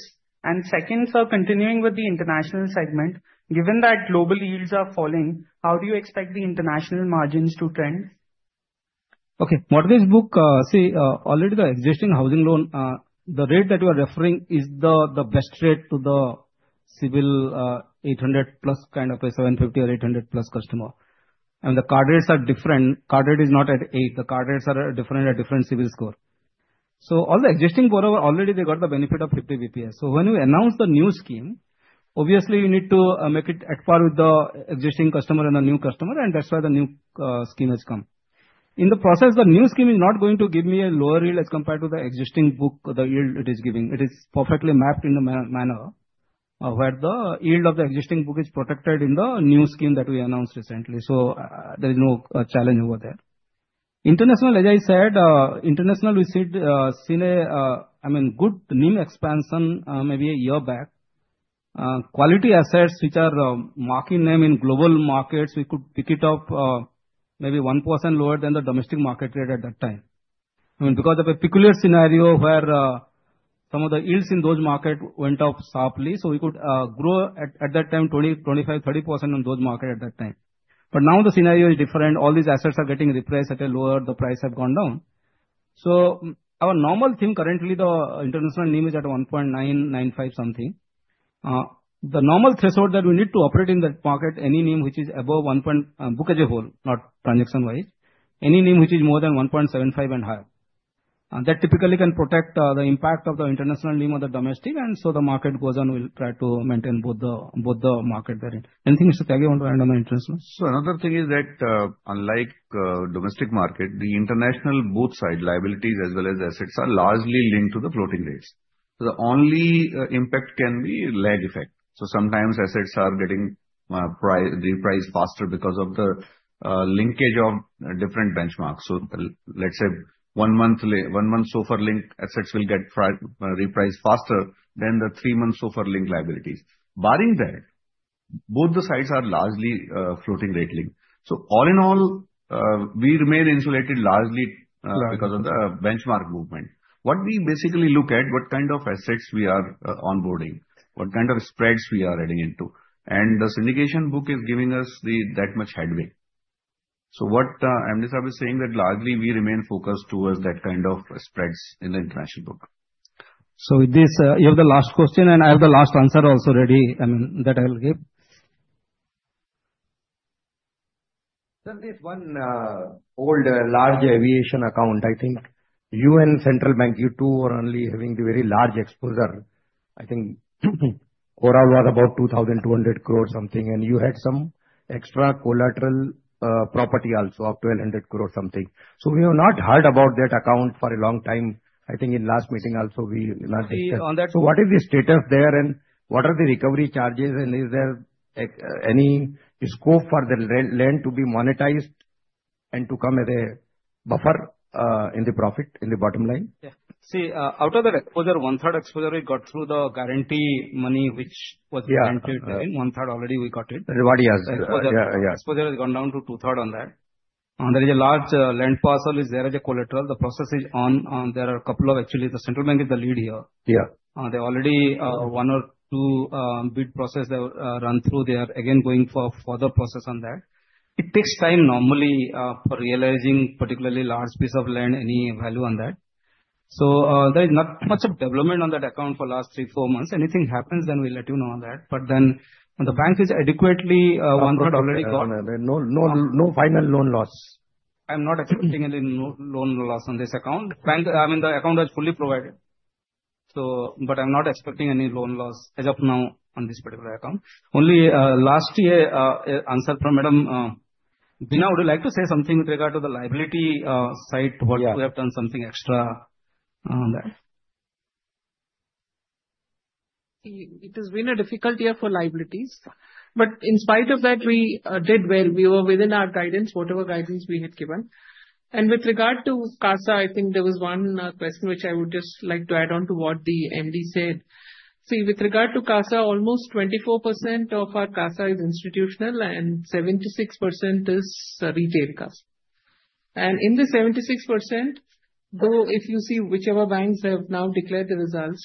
Second, sir, continuing with the international segment, given that global yields are falling, how do you expect the international margins to trend? Okay, mortgage book, see, already the existing housing loan, the rate that you are referring is the best rate to the civil 800 plus kind of a 750 or 800 plus customer. The card rates are different. Card rate is not at 8. The card rates are different at different civil score. All the existing borrower already they got the benefit of 50 basis points. When we announce the new scheme, obviously you need to make it at par with the existing customer and the new customer. That is why the new scheme has come. In the process, the new scheme is not going to give me a lower yield as compared to the existing book, the yield it is giving. It is perfectly mapped in the manner where the yield of the existing book is protected in the new scheme that we announced recently. There is no challenge over there. International, as I said, international we see a, I mean, good NIM expansion maybe a year back. Quality assets which are market name in global markets, we could pick it up maybe 1% lower than the domestic market rate at that time. I mean, because of a peculiar scenario where some of the yields in those markets went up sharply. We could grow at that time 20%, 25%, 30% on those markets at that time. Now the scenario is different. All these assets are getting repriced at a lower. The price has gone down. Our normal theme currently, the international NIM is at 1.995 something. The normal threshold that we need to operate in that market, any NIM which is above 1. book as a whole, not transaction-wise, any NIM which is more than 1.75 and higher. That typically can protect the impact of the international NIM or the domestic. The market goes on, we'll try to maintain both the market therein. Anything else to tag you on to end on the international? Another thing is that unlike domestic market, the international both side liabilities as well as assets are largely linked to the floating rates. The only impact can be lag effect. Sometimes assets are getting repriced faster because of the linkage of different benchmarks. Let's say one month, one month SOFR-linked assets will get repriced faster than the three months SOFR-linked liabilities. Barring that, both the sides are largely floating rate linked. All in all, we remain insulated largely because of the benchmark movement. What we basically look at is what kind of assets we are onboarding, what kind of spreads we are heading into. The syndication book is giving us that much headway. What Amnesty is saying is that largely we remain focused towards that kind of spreads in the international book. With this, you have the last question and I have the last answer also ready. I mean, that I'll give. There is one old large aviation account. I think you and Central Bank of India, you two were only having the very large exposure. I think overall was about 2,200 crore something. You had some extra collateral property also of 1,200 crore something. We have not heard about that account for a long time. I think in last meeting also we not discussed. What is the status there and what are the recovery charges? Is there any scope for the lend to be monetized and to come as a buffer in the profit in the bottom line? Yeah. See, out of that exposure, one third exposure we got through the guarantee money which was invented in one third already we got it. Rewardy as exposure has gone down to two third on that. There is a large land parcel is there as a collateral. The process is on. There are a couple of actually the Central Bank of India is the lead here. Yeah. They already one or two bid process that run through there. Again going for further process on that. It takes time normally for realizing particularly large piece of land, any value on that. There is not much of development on that account for last three, four months. Anything happens, then we'll let you know on that. The bank is adequately one third already got. No final loan loss. I'm not expecting any loan loss on this account. I mean, the account was fully provided. I'm not expecting any loan loss as of now on this particular account. Only last year, answer from Madam Beena, would you like to say something with regard to the liability side? What you have done something extra on that? It has been a difficult year for liabilities. In spite of that, we did well. We were within our guidance, whatever guidance we had given. With regard to CASA, I think there was one question which I would just like to add on to what the MD said. See, with regard to CASA, almost 24% of our CASA is institutional and 76% is retail CASA. In the 76%, though, if you see whichever banks have now declared the results,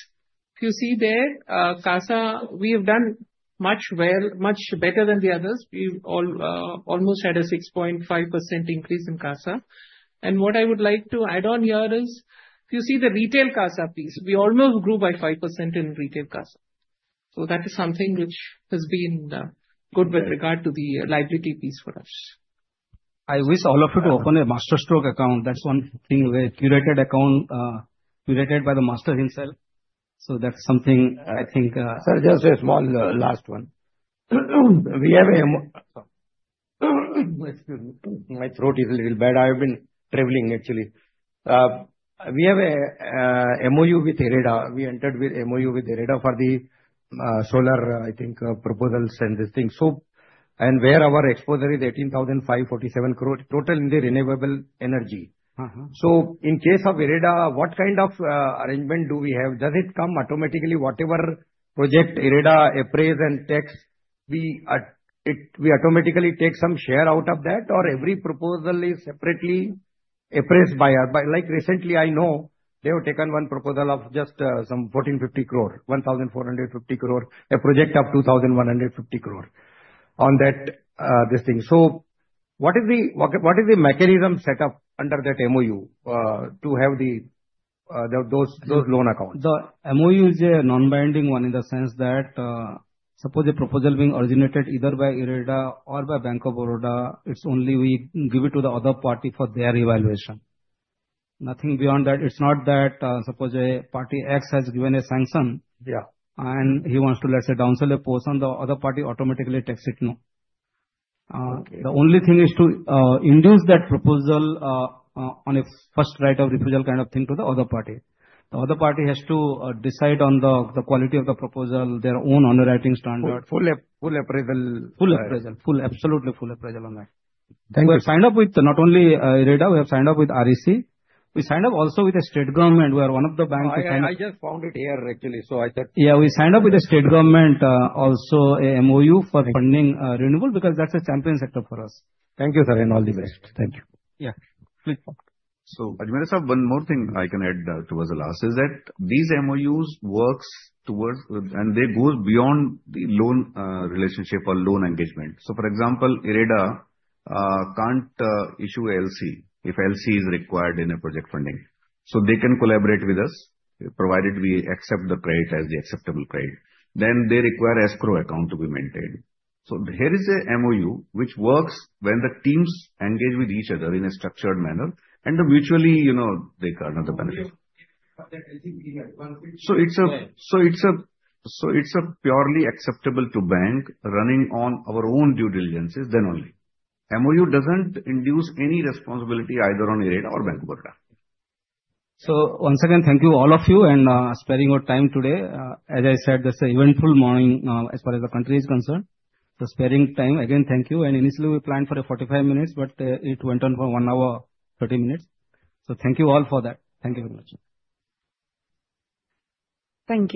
if you see their CASA, we have done much better than the others. We almost had a 6.5% increase in CASA. What I would like to add on here is, if you see the retail CASA piece, we almost grew by 5% in retail CASA. That is something which has been good with regard to the liability piece for us. I wish all of you to open a Masterstroke account. That's one thing where curated account curated by the master himself. That's something I think. Sir, just a small last one. We have a, excuse me, my throat is a little bad. I have been traveling actually. We have an MOU with IREDA. We entered with MOU with IREDA for the solar, I think proposals and this thing. Where our exposure is 18,547 crore total in the renewable energy. In case of IREDA, what kind of arrangement do we have? Does it come automatically whatever project IREDA appraises and takes? We automatically take some share out of that or every proposal is separately appraised by us. Like recently, I know they have taken one proposal of just some 1,450 crore, 1,450 crore, a project of 2,150 crore on that this thing. What is the mechanism set up under that MOU to have those loan accounts? The MOU is a non-binding one in the sense that suppose a proposal being originated either by IREDA or by Bank of Baroda, it's only we give it to the other party for their evaluation. Nothing beyond that. It's not that suppose a party X has given a sanction and he wants to, let's say, downsell a portion, the other party automatically takes it. No. The only thing is to induce that proposal on a first right of refusal kind of thing to the other party. The other party has to decide on the quality of the proposal, their own underwriting standard. Full appraisal. Full appraisal. Full, absolutely full appraisal on that. Thank you. We have signed up with not only IREDA, we have signed up with REC. We signed up also with the state government where one of the banks signed. I just found it here actually. I thought. Yeah, we signed up with the state government also an MOU for funding renewal because that's a champion sector for us. Thank you, sir, and all the best. Thank you. Yeah. Ajmera sir, one more thing I can add towards the last is that these MOUs work towards and they go beyond the loan relationship or loan engagement. For example, IREDA can't issue LC if LC is required in a project funding. They can collaborate with us provided we accept the credit as the acceptable credit. Then they require escrow account to be maintained. Here is an MOU which works when the teams engage with each other in a structured manner and mutually, you know, they garner the benefit. It is purely acceptable to the bank running on our own due diligences then only. MOU does not induce any responsibility either on IREDA or Bank of Baroda. Once again, thank you all of you and sparing our time today. As I said, that is an eventful morning as far as the country is concerned. Sparing time, again, thank you. Initially we planned for 45 minutes, but it went on for 1 hour 30 minutes. Thank you all for that. Thank you very much. Thank you.